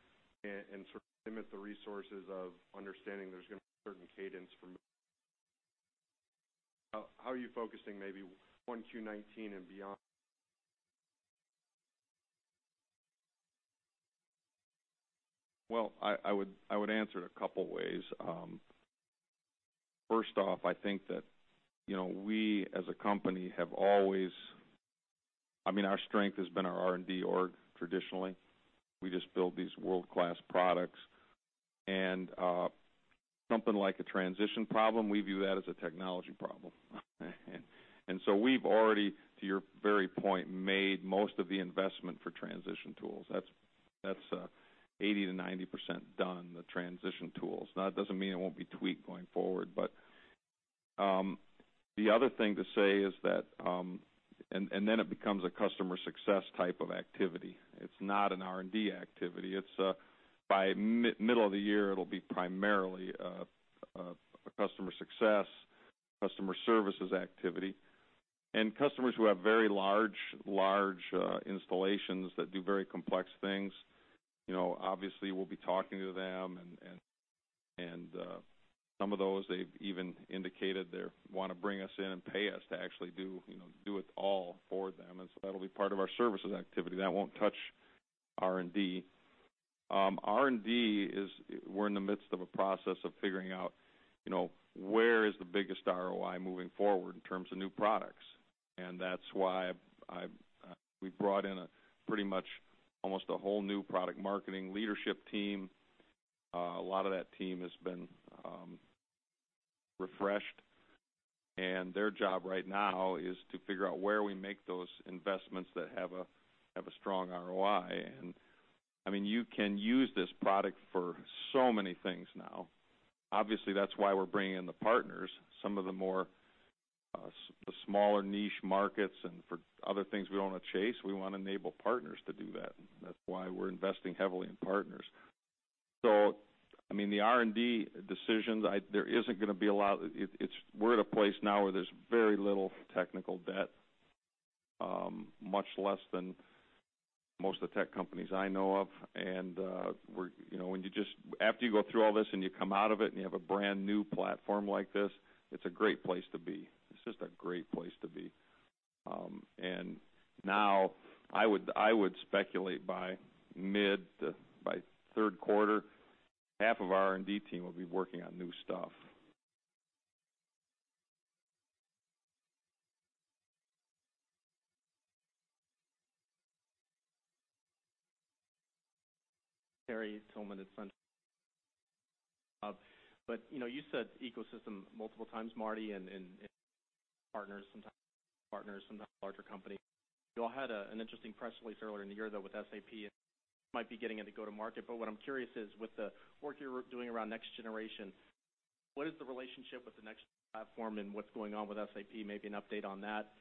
and sort of limit the resources of understanding there's going to be certain cadence for move. How are you focusing maybe on Q19 and beyond? Well, I would answer it a couple ways. First off, I think that we as a company Our strength has been our R&D org, traditionally. We just build these world-class products. Something like a transition problem, we view that as a technology problem. We've already, to your very point, made most of the investment for transition tools. That's 80%-90% done, the transition tools. Now, that doesn't mean it won't be tweaked going forward. The other thing to say is that it becomes a customer success type of activity. It's not an R&D activity. By middle of the year, it'll be primarily a customer success, customer services activity. Customers who have very large installations that do very complex things, obviously, we'll be talking to them, and some of those, they've even indicated they want to bring us in and pay us to actually do it all for them. That'll be part of our services activity. That won't touch R&D. R&D is we're in the midst of a process of figuring out where is the biggest ROI moving forward in terms of new products. That's why we brought in a pretty much almost a whole new product marketing leadership team. A lot of that team has been refreshed, and their job right now is to figure out where we make those investments that have a strong ROI. You can use this product for so many things now. Obviously, that's why we're bringing in the partners. Some of the more smaller niche markets and for other things we don't want to chase, we want to enable partners to do that. That's why we're investing heavily in partners. The R&D decisions, we're at a place now where there's very little technical debt, much less than most of the tech companies I know of. After you go through all this and you come out of it and you have a brand-new platform like this, it's a great place to be. It's just a great place to be. Now I would speculate by mid to third quarter, half of our R&D team will be working on new stuff. Terry Tillman at Truist. You said ecosystem multiple times, Marty, and partners, sometimes partners, sometimes larger company. You all had an interesting press release earlier in the year, though, with SAP and might be getting it to go to market. What I'm curious is with the work you're doing around next generation, what is the relationship with the next platform and what's going on with SAP, maybe an update on that?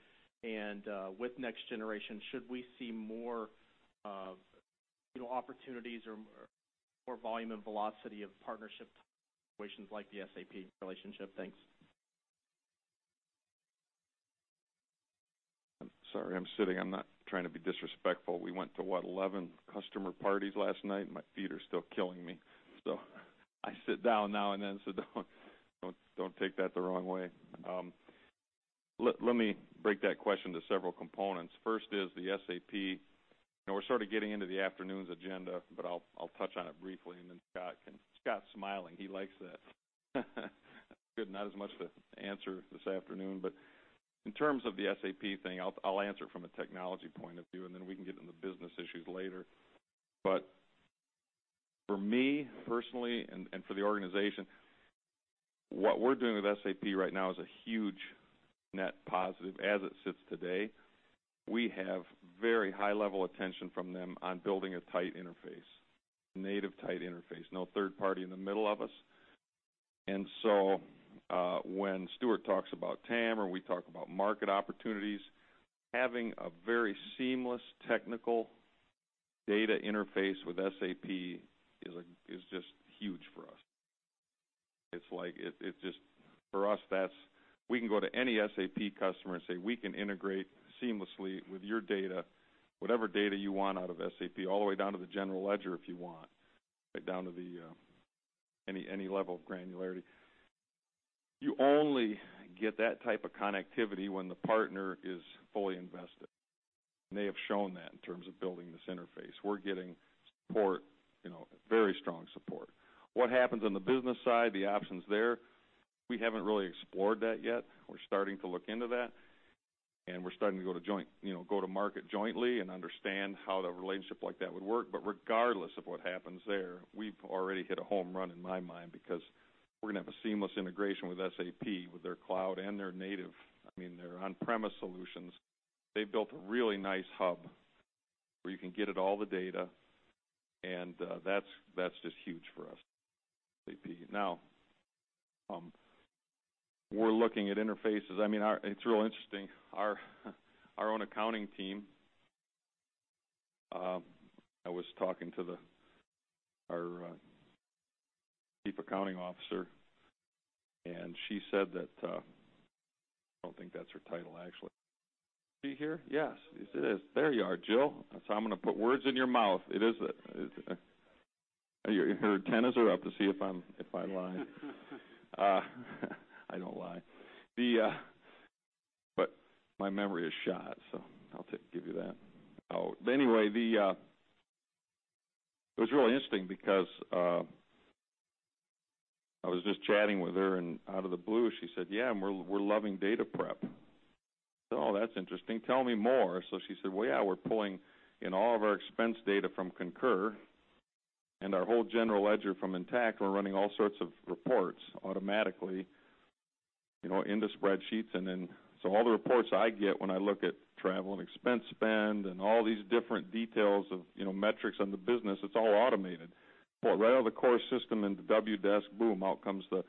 With next generation, should we see more opportunities or more volume and velocity of partnership situations like the SAP relationship? Thanks. I'm sorry, I'm sitting. I'm not trying to be disrespectful. We went to, what, 11 customer parties last night, and my feet are still killing me. I sit down now and then, so don't take that the wrong way. Let me break that question to several components. First is the SAP. We're sort of getting into the afternoon's agenda, but I'll touch on it briefly, and then Scott's smiling. He likes that. Good. Not as much to answer this afternoon, but in terms of the SAP thing, I'll answer from a technology point of view, and then we can get into business issues later. For me personally, and for the organization, what we're doing with SAP right now is a huge net positive as it sits today. We have very high-level attention from them on building a tight interface, native tight interface, no third party in the middle of us. When Stuart talks about TAM or we talk about market opportunities, having a very seamless technical data interface with SAP is just huge for us. For us, we can go to any SAP customer and say, "We can integrate seamlessly with your data, whatever data you want out of SAP, all the way down to the general ledger if you want, right down to any level of granularity." You only get that type of connectivity when the partner is fully invested, and they have shown that in terms of building this interface. We're getting support, very strong support. What happens on the business side, the options there, we haven't really explored that yet. We're starting to look into that, and we're starting to go to market jointly and understand how the relationship like that would work. Regardless of what happens there, we've already hit a home run in my mind because we're going to have a seamless integration with SAP, with their cloud and their native, I mean, their on-premise solutions. They've built a really nice hub where you can get at all the data, and that's just huge for us. SAP. We're looking at interfaces. It's real interesting. Our own accounting team, I was talking to our Chief Accounting Officer, and she said that I don't think that's her title, actually. Is she here? Yes, it is. There you are, Jill. I'm going to put words in your mouth. Her antennas are up to see if I'm lying. I don't lie. My memory is shot, so I'll give you that. Anyway, it was really interesting because I was just chatting with her, and out of the blue, she said, "Yeah, we're loving Data Prep." "Oh, that's interesting. Tell me more." She said, "Well, yeah, we're pulling in all of our expense data from Concur and our whole general ledger from Intacct. We're running all sorts of reports automatically into Spreadsheets. All the reports I get when I look at travel and expense spend and all these different details of metrics on the business, it's all automated. Pull it right out of the core system into Wdesk, boom, out comes the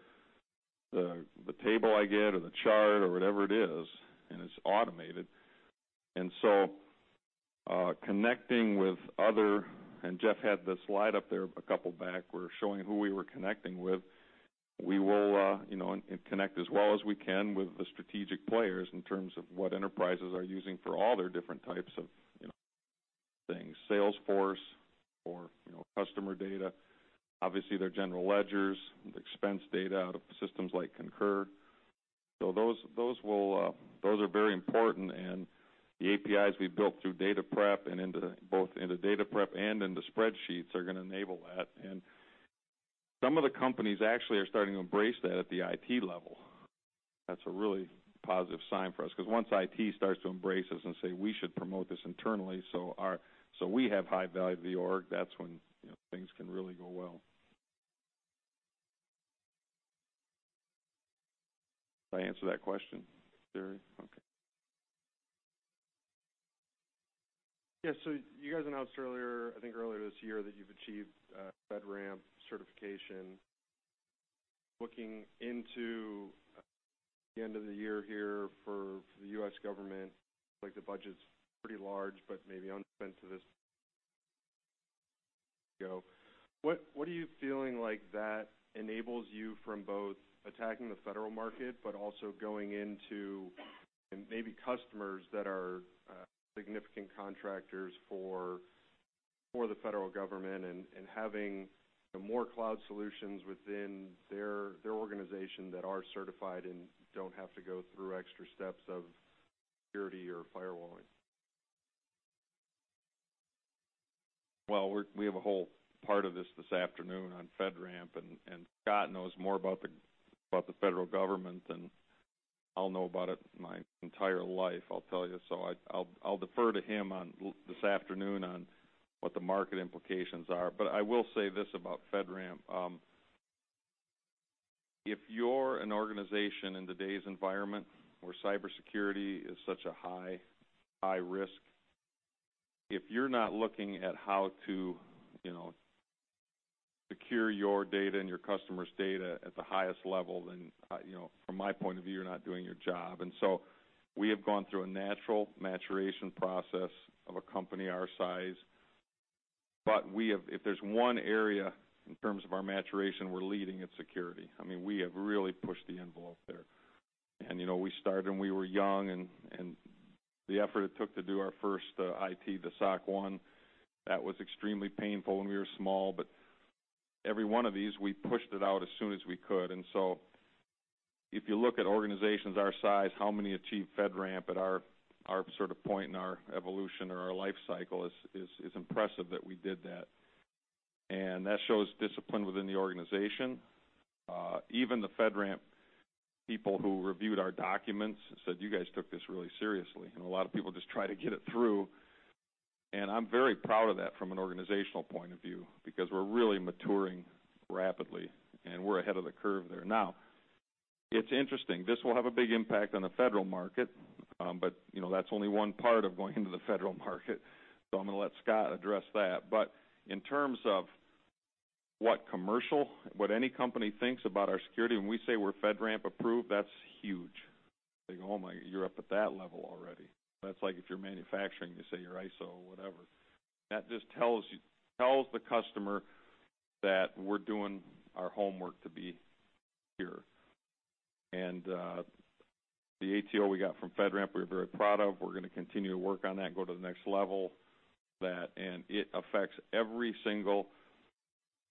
table I get or the chart or whatever it is, and it's automated. Connecting with other, Jeff had this slide up there a couple back where it was showing who we were connecting with. We will connect as well as we can with the strategic players in terms of what enterprises are using for all their different types of things, Salesforce for customer data, obviously their general ledgers, expense data out of systems like Concur. Those are very important, and the APIs we built through Data Prep and into both into Data Prep and into Spreadsheets are going to enable that. Some of the companies actually are starting to embrace that at the IT level. That's a really positive sign for us because once IT starts to embrace us and say, "We should promote this internally so we have high value to the org," that's when things can really go well. Did I answer that question, Gary? Okay. Yeah. You guys announced earlier, I think earlier this year, that you've achieved FedRAMP certification. Looking into the end of the year here for the U.S. government, it seems like the budget's pretty large, but maybe unexpected this go. What are you feeling like that enables you from both attacking the federal market, but also going into maybe customers that are significant contractors for the federal government and having more cloud solutions within their organization that are certified and don't have to go through extra steps of security or firewalling? Well, we have a whole part of this this afternoon on FedRAMP, Scott knows more about the federal government than I'll know about it my entire life, I'll tell you. I'll defer to him this afternoon on what the market implications are. I will say this about FedRAMP. If you're an organization in today's environment where cybersecurity is such a high risk, if you're not looking at how to secure your data and your customers' data at the highest level, then from my point of view, you're not doing your job. We have gone through a natural maturation process of a company our size. If there's one area in terms of our maturation we're leading, it's security. We have really pushed the envelope there. We started when we were young, the effort it took to do our first IT, the SOC 1, that was extremely painful when we were small. Every one of these, we pushed it out as soon as we could. If you look at organizations our size, how many achieve FedRAMP at our sort of point in our evolution or our life cycle, it's impressive that we did that. That shows discipline within the organization. Even the FedRAMP people who reviewed our documents said, "You guys took this really seriously," a lot of people just try to get it through. I'm very proud of that from an organizational point of view, because we're really maturing rapidly, and we're ahead of the curve there. It's interesting. This will have a big impact on the federal market, that's only one part of going into the federal market, I'm going to let Scott address that. In terms of what commercial, what any company thinks about our security, when we say we're FedRAMP approved, that's huge. They go, "Oh my, you're up at that level already." That's like if you're manufacturing, you say you're ISO or whatever. That just tells the customer that we're doing our homework to be here. The ATO we got from FedRAMP, we are very proud of. We're going to continue to work on that and go to the next level. It affects every single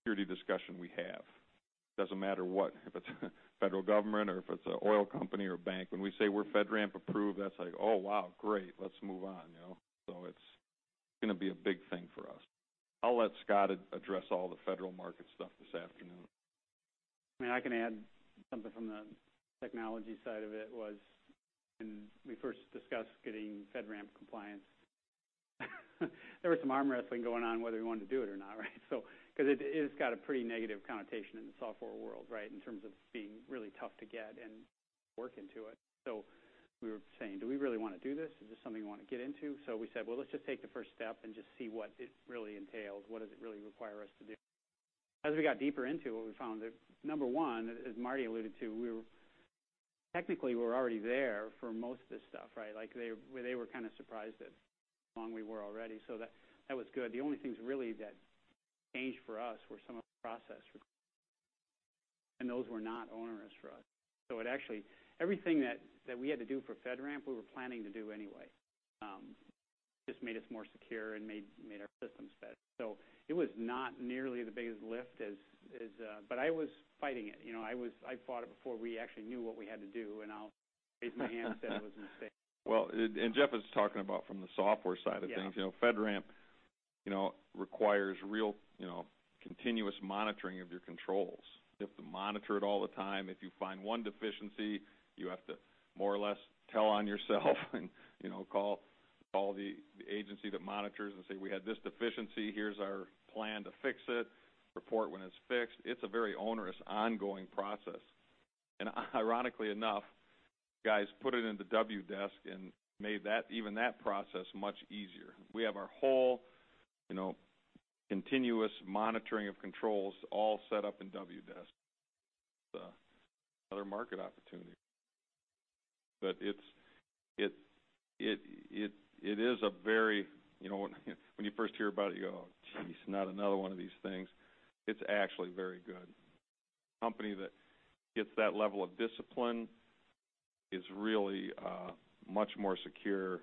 security discussion we have. Doesn't matter what, if it's federal government or if it's an oil company or bank. When we say we're FedRAMP approved, that's like, "Oh, wow. Great. Let's move on." It's going to be a big thing for us. I'll let Scott address all the federal market stuff this afternoon. I can add something from the technology side of it was when we first discussed getting FedRAMP compliance, there was some arm wrestling going on whether we wanted to do it or not. It has got a pretty negative connotation in the software world, in terms of it being really tough to get and work into it. We were saying, "Do we really want to do this? Is this something we want to get into?" We said, "Well, let's just take the first step and just see what it really entails. What does it really require us to do?" As we got deeper into it, we found that number 1, as Marty alluded to, technically we were already there for most of this stuff. They were kind of surprised at how along we were already. That was good. The only things really that changed for us were some of the process requirements, and those were not onerous for us. Actually, everything that we had to do for FedRAMP, we were planning to do anyway. Just made us more secure and made our systems FedRAMP. It was not nearly the biggest lift. I was fighting it. I fought it before we actually knew what we had to do, and I'll raise my hand and say it was a mistake. Jeff is talking about from the software side of things. Yeah. FedRAMP requires real continuous monitoring of your controls. You have to monitor it all the time. If you find one deficiency, you have to more or less tell on yourself and call the agency that monitors and say, "We had this deficiency. Here's our plan to fix it." Report when it's fixed. It's a very onerous, ongoing process. Ironically enough, guys put it into Wdesk and made even that process much easier. We have our whole continuous monitoring of controls all set up in Wdesk. It's another market opportunity. When you first hear about it, you go, "Geez, not another one of these things." It's actually very good. A company that gets that level of discipline is really much more secure,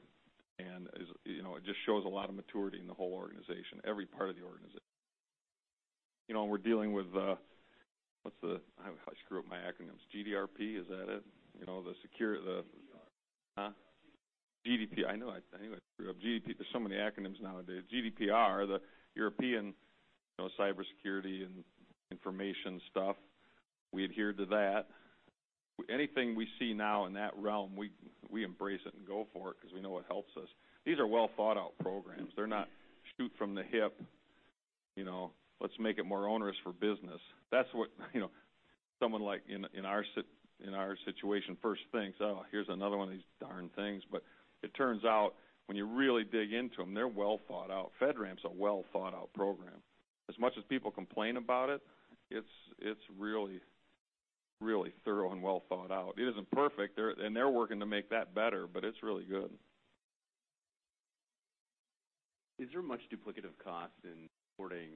and it just shows a lot of maturity in the whole organization, every part of the organization. We're dealing with I screw up my acronyms. GDPR, is that it? GDPR. Huh? GDPR. GDPR. I knew I'd screw it up. There's so many acronyms nowadays. GDPR, the European cybersecurity and information stuff. We adhere to that. Anything we see now in that realm, we embrace it and go for it because we know it helps us. These are well-thought-out programs. They're not shoot from the hip, let's make it more onerous for business. That's what someone like in our situation first thinks, "Oh, here's another one of these darn things." It turns out when you really dig into them, they're well-thought-out. FedRAMP's a well-thought-out program. As much as people complain about it's really thorough and well-thought-out. It isn't perfect, and they're working to make that better, but it's really good. Is there much duplicative cost in supporting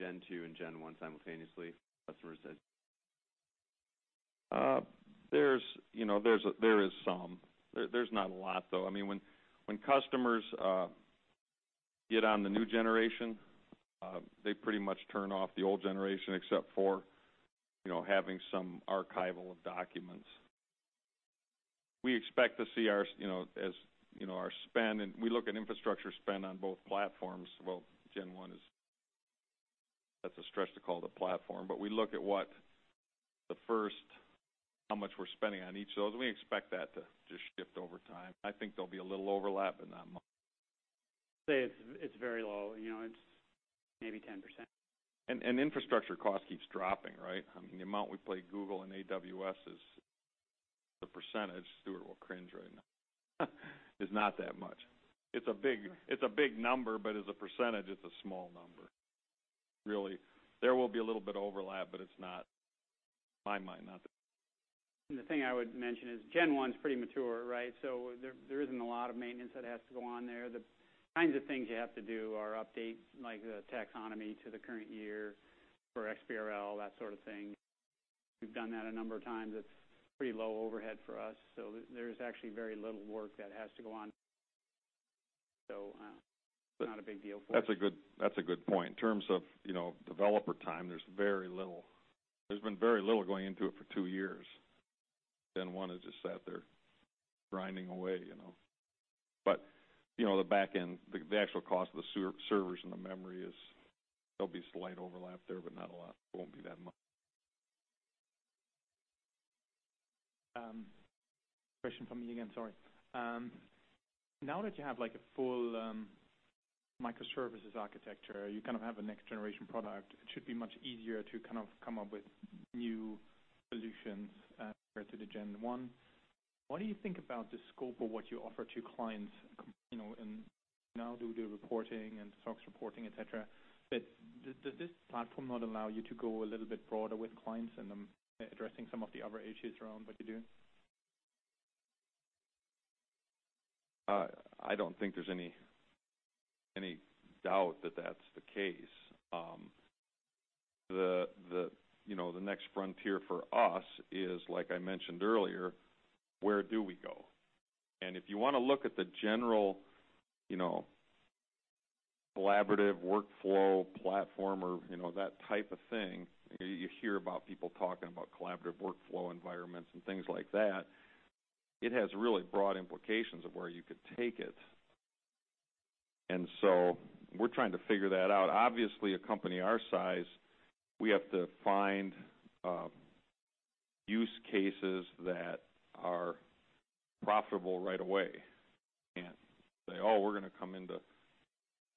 Gen2 and Gen1 simultaneously for customers? There is some. There's not a lot, though. When customers get on the new generation, they pretty much turn off the old generation, except for having some archival of documents. We expect to see our spend, and we look at infrastructure spend on both platforms. Well, Gen1, that's a stretch to call it a platform, but we look at how much we're spending on each of those, and we expect that to just shift over time. I think there'll be a little overlap, but not much. I'd say it's very low. It's maybe 10%. Infrastructure cost keeps dropping. The amount we pay Google and AWS as a percentage, Stuart will cringe right now, is not that much. It's a big number, but as a percentage, it's a small number, really. There will be a little bit of overlap, but in my mind, not that much. The thing I would mention is Gen1's pretty mature, so there isn't a lot of maintenance that has to go on there. The kinds of things you have to do are update the taxonomy to the current year for XBRL, that sort of thing. We've done that a number of times. It's pretty low overhead for us, so there's actually very little work that has to go on. It's not a big deal for us. That's a good point. In terms of developer time, there's been very little going into it for two years. Didn't want it just sat there grinding away. The back end, the actual cost of the servers and the memory is, there'll be slight overlap there, but not a lot. It won't be that much. Question from me again, sorry. Now that you have a full microservices architecture, you kind of have a next-generation product, it should be much easier to come up with new solutions compared to the Gen1. What do you think about the scope of what you offer to clients? You now do the reporting and SOX reporting, et cetera, but does this platform not allow you to go a little bit broader with clients and addressing some of the other issues around what you're doing? I don't think there's any doubt that that's the case. The next frontier for us is, like I mentioned earlier, where do we go? If you want to look at the general collaborative workflow platform or that type of thing, you hear about people talking about collaborative workflow environments and things like that, it has really broad implications of where you could take it. We're trying to figure that out. Obviously, a company our size, we have to find use cases that are profitable right away. We can't say, "Oh, we're going to come into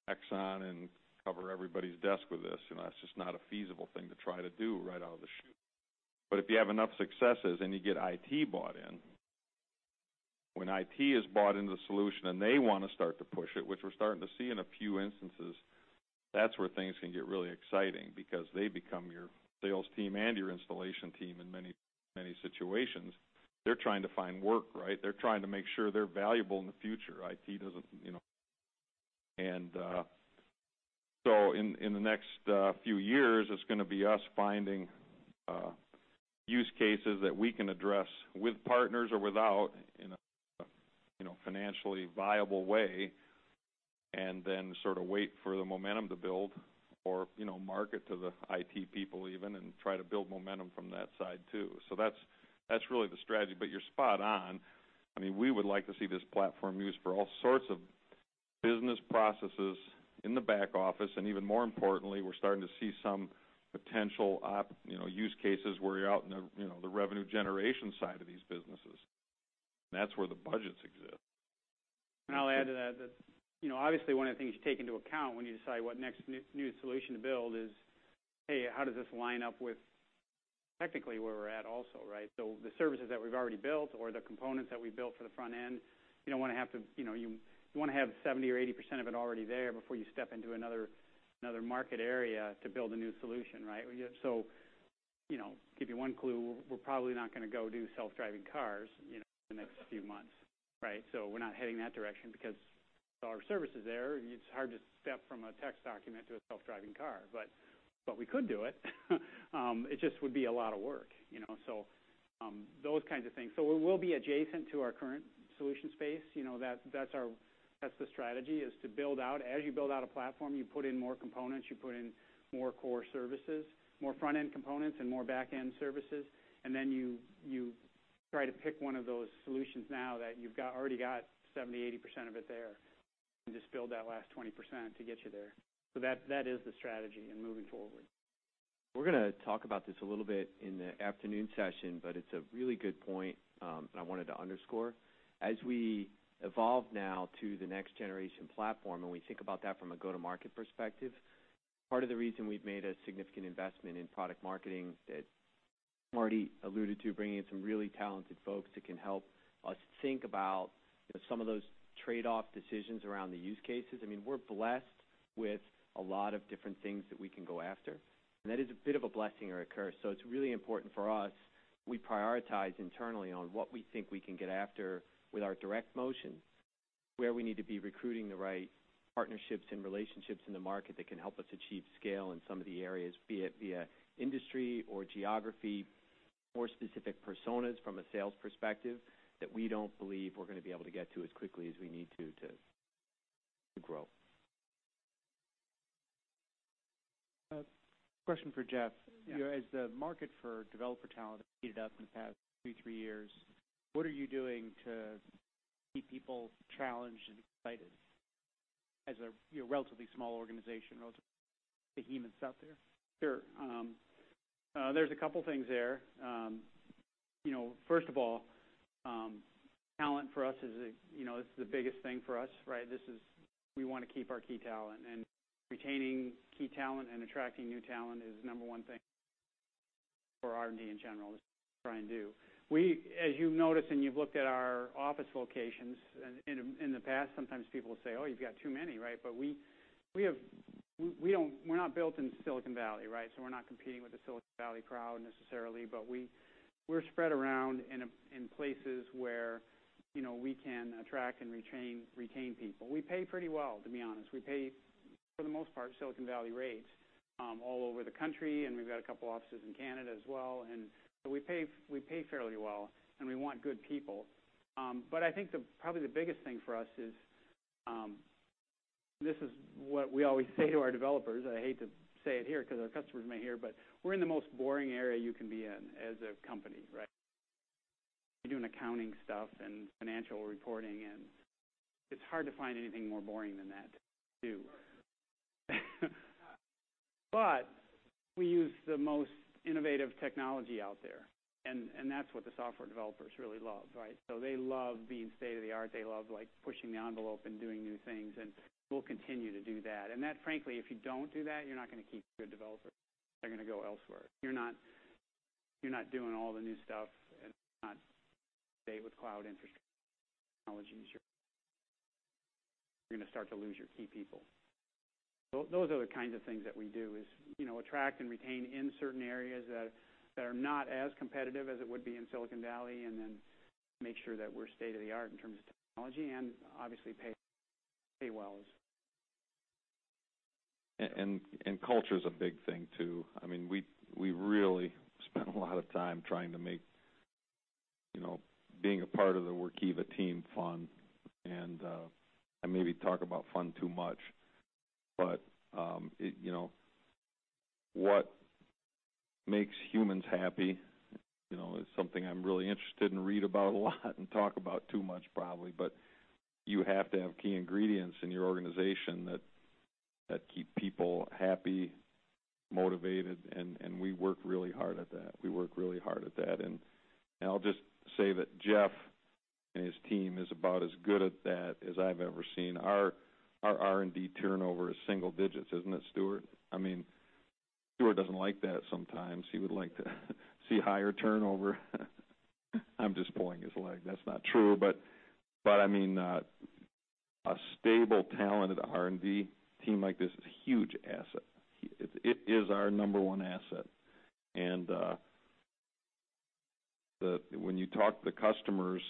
Exxon and cover everybody's desk with this." That's just not a feasible thing to try to do right out of the chute. If you have enough successes and you get IT bought in, when IT is bought into the solution and they want to start to push it, which we're starting to see in a few instances, that's where things can get really exciting because they become your sales team and your installation team in many situations. They're trying to find work, right? They're trying to make sure they're valuable in the future. In the next few years, it's going to be us finding use cases that we can address with partners or without, in a financially viable way, and then sort of wait for the momentum to build or market to the IT people even, and try to build momentum from that side, too. That's really the strategy. You're spot on. We would like to see this platform used for all sorts of business processes in the back office, even more importantly, we're starting to see some potential use cases where you're out in the revenue generation side of these businesses, and that's where the budgets exist. I'll add to that, obviously one of the things you take into account when you decide what next new solution to build is, hey, how does this line up with technically where we're at also, right? The services that we've already built or the components that we built for the front end, you want to have 70% or 80% of it already there before you step into another market area to build a new solution, right? To give you one clue, we're probably not going to go do self-driving cars in the next few months, right? We're not heading in that direction because our service is there, and it's hard to step from a text document to a self-driving car. We could do it. It just would be a lot of work. Those kinds of things. We'll be adjacent to our current solution space. That's the strategy, is to build out. As you build out a platform, you put in more components, you put in more core services, more front-end components and more back-end services, then you try to pick one of those solutions now that you've already got 70%, 80% of it there, and just build that last 20% to get you there. That is the strategy in moving forward. We're going to talk about this a little bit in the afternoon session, it's a really good point that I wanted to underscore. As we evolve now to the next-generation platform, we think about that from a go-to-market perspective, part of the reason we've made a significant investment in product marketing that Marty alluded to, bringing in some really talented folks that can help us think about some of those trade-off decisions around the use cases. We're blessed with a lot of different things that we can go after, that is a bit of a blessing or a curse. It's really important for us, we prioritize internally on what we think we can get after with our direct motion, where we need to be recruiting the right partnerships and relationships in the market that can help us achieve scale in some of the areas, be it via industry or geography or specific personas from a sales perspective, that we don't believe we're going to be able to get to as quickly as we need to grow. Question for Jeff. Yeah. As the market for developer talent has heated up in the past two, three years, what are you doing to keep people challenged and excited as a relatively small organization relative to behemoths out there? Sure. There's a couple things there. First of all, talent for us is the biggest thing for us, right? We want to keep our key talent, and retaining key talent and attracting new talent is number 1 thing for R&D, in general, is what we try and do. As you've noticed, and you've looked at our office locations, in the past, sometimes people say, "Oh, you've got too many," right? We're not built in Silicon Valley, right? We're not competing with the Silicon Valley crowd necessarily. We're spread around in places where we can attract and retain people. We pay pretty well, to be honest. We pay, for the most part, Silicon Valley rates all over the country, and we've got a couple offices in Canada as well. We pay fairly well, and we want good people. I think probably the biggest thing for us is This is what we always say to our developers. I hate to say it here because our customers may hear, we're in the most boring area you can be in as a company, right? You're doing accounting stuff and financial reporting, and it's hard to find anything more boring than that to do. We use the most innovative technology out there, and that's what the software developers really love. They love being state-of-the-art. They love pushing the envelope and doing new things, and we'll continue to do that. That, frankly, if you don't do that, you're not going to keep good developers. They're going to go elsewhere. If you're not doing all the new stuff, and if you're not staying with cloud infrastructure technologies, you're going to start to lose your key people. Those are the kinds of things that we do, is attract and retain in certain areas that are not as competitive as it would be in Silicon Valley, and then make sure that we're state-of-the-art in terms of technology and obviously pay well. Culture's a big thing, too. We really spend a lot of time trying to make being a part of the Workiva team fun. I maybe talk about fun too much, but what makes humans happy is something I'm really interested in, read about a lot and talk about too much probably. You have to have key ingredients in your organization that keep people happy, motivated, and we work really hard at that. I'll just say that Jeff and his team is about as good at that as I've ever seen. Our R&D turnover is single digits, isn't it, Stuart? Stuart doesn't like that sometimes. He would like to see higher turnover. I'm just pulling his leg. That's not true. A stable, talented R&D team like this is a huge asset. It is our number one asset. When you talk to the customers,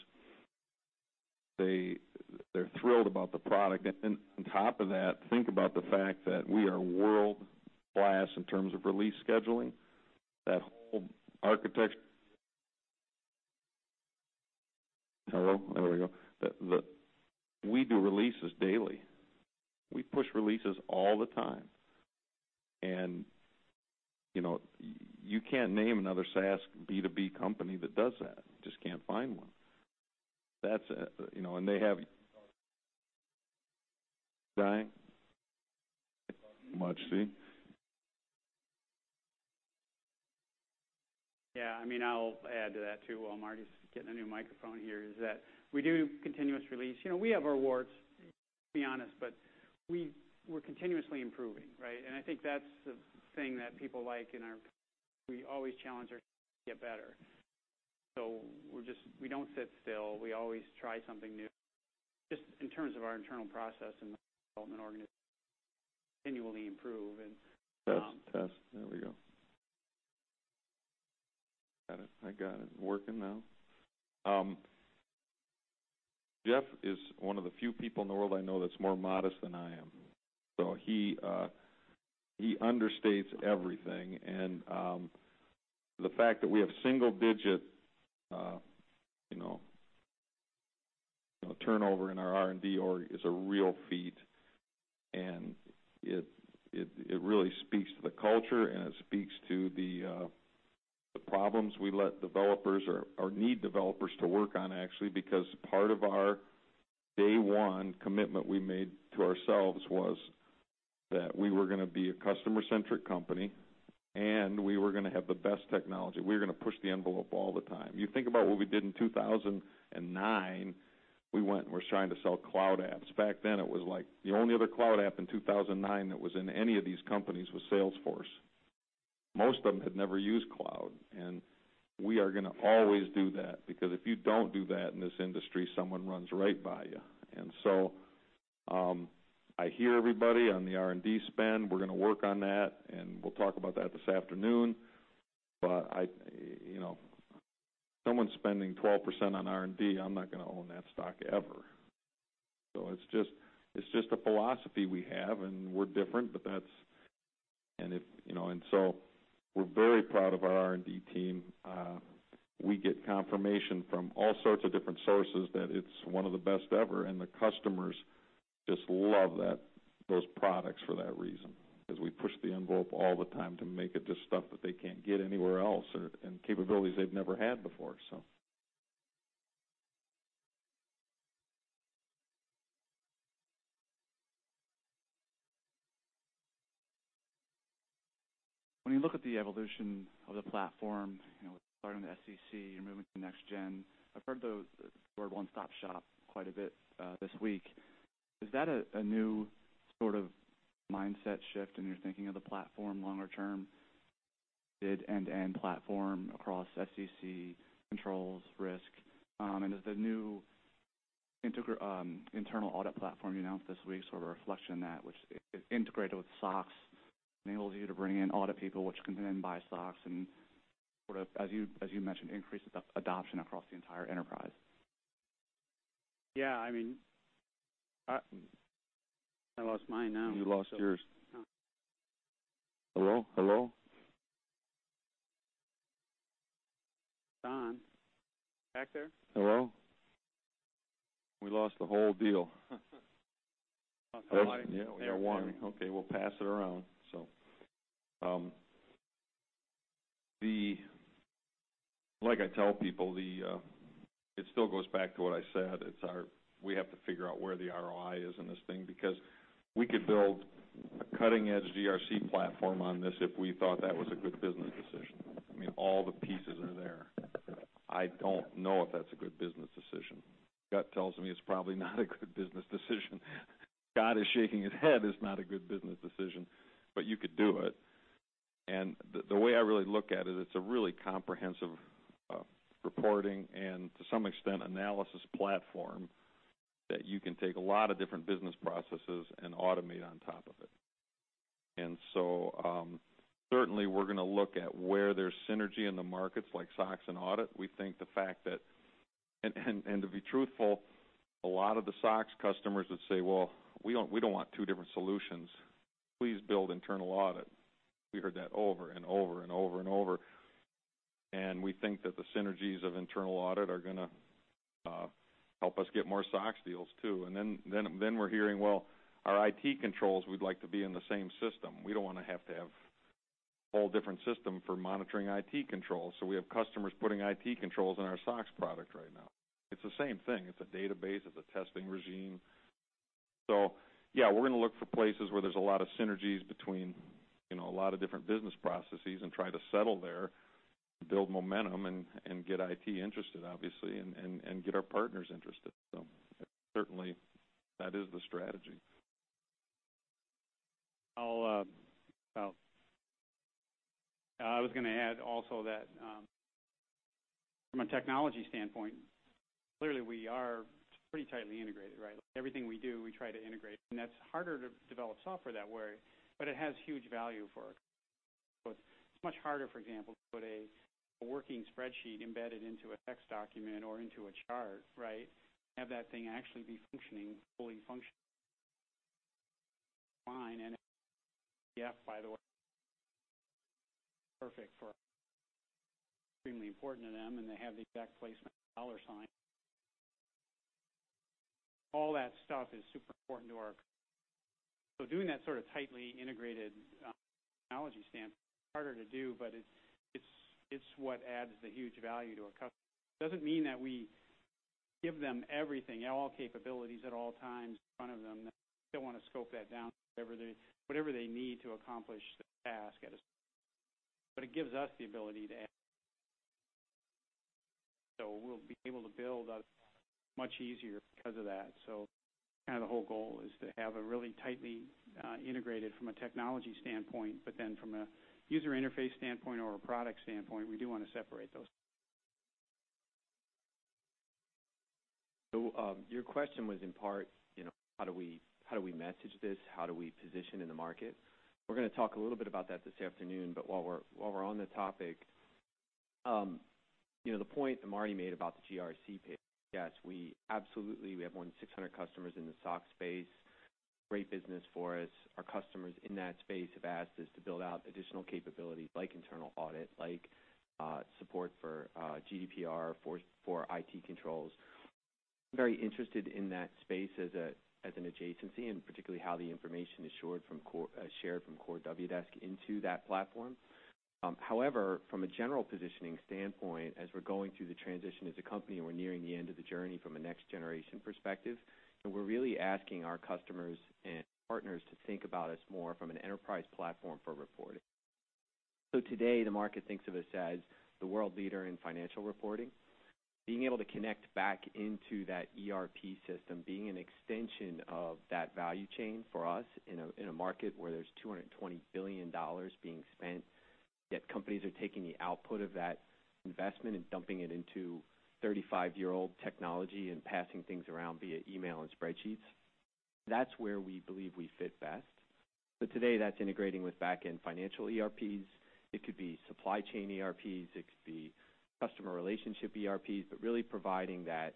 they're thrilled about the product. On top of that, think about the fact that we are world-class in terms of release scheduling, that whole architecture. Hello? There we go. We do releases daily. We push releases all the time, and you can't name another SaaS B2B company that does that. Just can't find one. They have Brian? Much see. Yeah, I'll add to that, too, while Martin is getting a new microphone here, is that we do continuous release. We have our warts, to be honest, we're continuously improving. I think that's the thing that people like in our company. We always challenge ourselves to get better. We don't sit still. We always try something new, just in terms of our internal process and the development organization continually improve and. Test, test. There we go. Got it. I got it working now. Jeff is one of the few people in the world I know that's more modest than I am. He understates everything, the fact that we have single-digit turnover in our R&D org is a real feat, it really speaks to the culture, it speaks to the problems we let developers or need developers to work on, actually. Part of our day one commitment we made to ourselves was that we were going to be a customer-centric company, we were going to have the best technology. We were going to push the envelope all the time. You think about what we did in 2009, we went, and we're trying to sell cloud apps. Back then, it was like the only other cloud app in 2009 that was in any of these companies was Salesforce. Most of them had never used cloud. We are going to always do that, because if you don't do that in this industry, someone runs right by you. I hear everybody on the R&D spend. We're going to work on that, and we'll talk about that this afternoon. If someone's spending 12% on R&D, I'm not going to own that stock, ever. It's just a philosophy we have, and we're different. We're very proud of our R&D team. We get confirmation from all sorts of different sources that it's one of the best ever, and the customers just love those products for that reason, because we push the envelope all the time to make it just stuff that they can't get anywhere else and capabilities they've never had before. When you look at the evolution of the platform, with starting the SEC, you're moving to next gen. I've heard the word one-stop shop quite a bit this week. Is that a new sort of mindset shift in your thinking of the platform longer term, an end-to-end platform across SEC controls risk? Is the new internal audit platform you announced this week sort of a reflection of that, which is integrated with SOX, enables you to bring in audit people, which can then buy SOX and sort of, as you mentioned, increases adoption across the entire enterprise? Yeah. I lost mine now. You lost yours. Hello? Back there? Hello? We lost the whole deal. Yeah, one. Okay, we'll pass it around. Like I tell people, it still goes back to what I said. We have to figure out where the ROI is in this thing, because we could build a cutting-edge GRC platform on this if we thought that was a good business decision. All the pieces are there. I don't know if that's a good business decision. Gut tells me it's probably not a good business decision. Scott is shaking his head. It's not a good business decision, but you could do it. The way I really look at it's a really comprehensive reporting, and to some extent, analysis platform that you can take a lot of different business processes and automate on top of it. Certainly we're going to look at where there's synergy in the markets, like SOX and audit. To be truthful, a lot of the SOX customers would say, "Well, we don't want two different solutions. Please build internal audit." We heard that over and over and over. We think that the synergies of internal audit are going to help us get more SOX deals too. We're hearing, "Well, our IT controls, we'd like to be in the same system. We don't want to have to have a whole different system for monitoring IT controls." We have customers putting IT controls in our SOX product right now. It's the same thing. It's a database. It's a testing regime. Yeah, we're going to look for places where there's a lot of synergies between a lot of different business processes and try to settle there, build momentum, and get IT interested obviously, and get our partners interested. certainly that is the strategy. I was going to add also that from a technology standpoint, clearly we are pretty tightly integrated, right? Everything we do, we try to integrate. That's harder to develop software that way, but it has huge value for our customers. It's much harder, for example, to put a working Spreadsheets embedded into a text document or into a chart, right? Have that thing actually be fully functional. Fine, and yeah, by the way, perfect for extremely important to them, and they have the exact placement of the dollar sign. All that stuff is super important to our customers. Doing that sort of tightly integrated from a technology standpoint is harder to do, but it's what adds the huge value to a customer. It doesn't mean that we give them everything, all capabilities at all times in front of them. They'll want to scope that down to whatever they need to accomplish the task at a certain point. It gives us the ability to add. We'll be able to build much easier because of that. Kind of the whole goal is to have it really tightly integrated from a technology standpoint, but then from a user interface standpoint or a product standpoint, we do want to separate those. Your question was in part, how do we message this? How do we position in the market? We're going to talk a little bit about that this afternoon, but while we're on the topic, the point that Marty made about the GRC piece, yes, absolutely, we have more than 600 customers in the SOX space. Great business for us. Our customers in that space have asked us to build out additional capabilities like internal audit, like support for GDPR, for IT controls. Very interested in that space as an adjacency, and particularly how the information is shared from Core Wdesk into that platform. From a general positioning standpoint, as we're going through the transition as a company, we're nearing the end of the journey from a next generation perspective, we're really asking our customers and partners to think about us more from an enterprise platform for reporting. Today, the market thinks of us as the world leader in financial reporting. Being able to connect back into that ERP system, being an extension of that value chain for us in a market where there's $220 billion being spent, yet companies are taking the output of that investment and dumping it into 35-year-old technology and passing things around via email and Spreadsheets. That's where we believe we fit best. Today that's integrating with back-end financial ERPs. It could be supply chain ERPs, it could be customer relationship ERPs, really providing that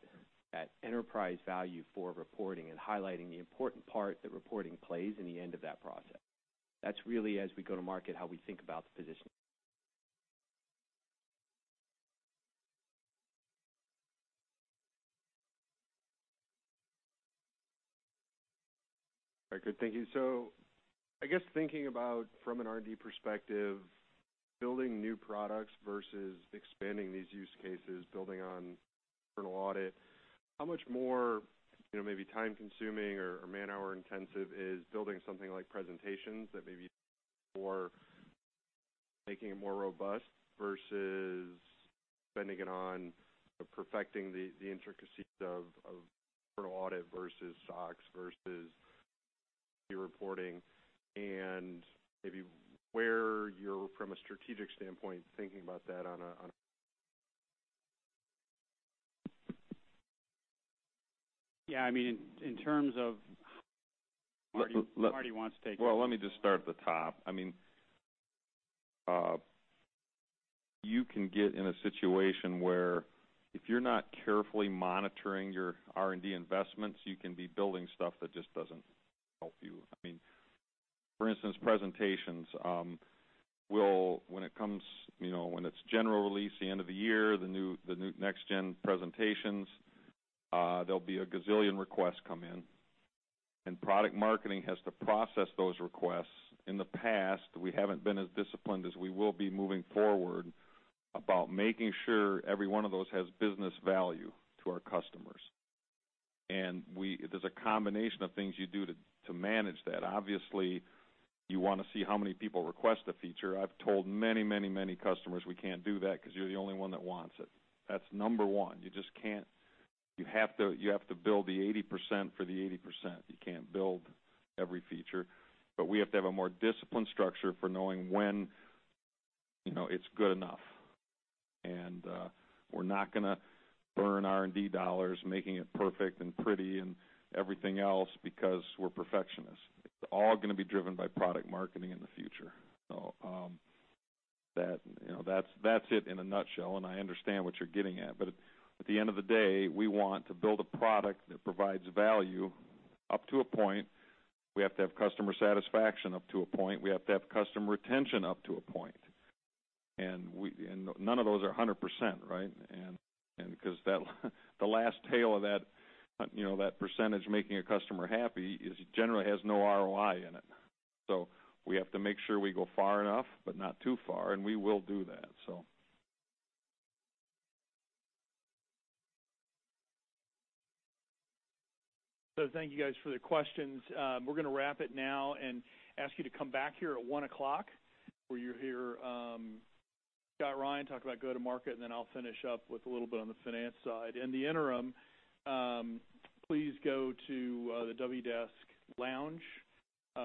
enterprise value for reporting and highlighting the important part that reporting plays in the end of that process. That's really, as we go to market, how we think about the positioning. Very good, thank you. I guess thinking about from an R&D perspective, building new products versus expanding these use cases, building on internal audit, how much more maybe time-consuming or man-hour intensive is building something like presentations that maybe for making it more robust versus spending it on perfecting the intricacies of internal audit versus SOX versus your reporting and maybe where you're, from a strategic standpoint, thinking about that on a. Yeah, Marty wants to take it. Let me just start at the top. You can get in a situation where if you're not carefully monitoring your R&D investments, you can be building stuff that just doesn't help you. I mean, for instance, presentations. When it's general release, the end of the year, the new next-gen presentations, there'll be a gazillion requests come in, and product marketing has to process those requests. In the past, we haven't been as disciplined as we will be moving forward about making sure every one of those has business value to our customers. There's a combination of things you do to manage that. Obviously, you want to see how many people request a feature. I've told many customers we can't do that because you're the only one that wants it. That's number one. You have to build the 80% for the 80%. You can't build every feature. We have to have a more disciplined structure for knowing when it's good enough. We're not going to burn R&D dollars making it perfect and pretty and everything else because we're perfectionists. It's all going to be driven by product marketing in the future. That's it in a nutshell, and I understand what you're getting at. At the end of the day, we want to build a product that provides value up to a point. We have to have customer satisfaction up to a point. We have to have customer retention up to a point. None of those are 100%, right? Because the last tail of that percentage making a customer happy generally has no ROI in it. We have to make sure we go far enough, but not too far, and we will do that. Thank you guys for the questions. We're going to wrap it now and ask you to come back here at 1:00 P.M., where you'll hear Scott Ryan talk about go-to-market, and then I'll finish up with a little bit on the finance side. In the interim, please go to the Wdesk lounge,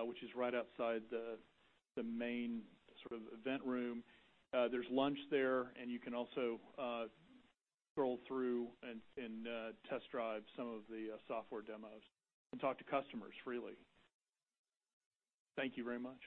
which is right outside the main sort of event room. There's lunch there, and you can also scroll through and test drive some of the software demos and talk to customers freely. Thank you very much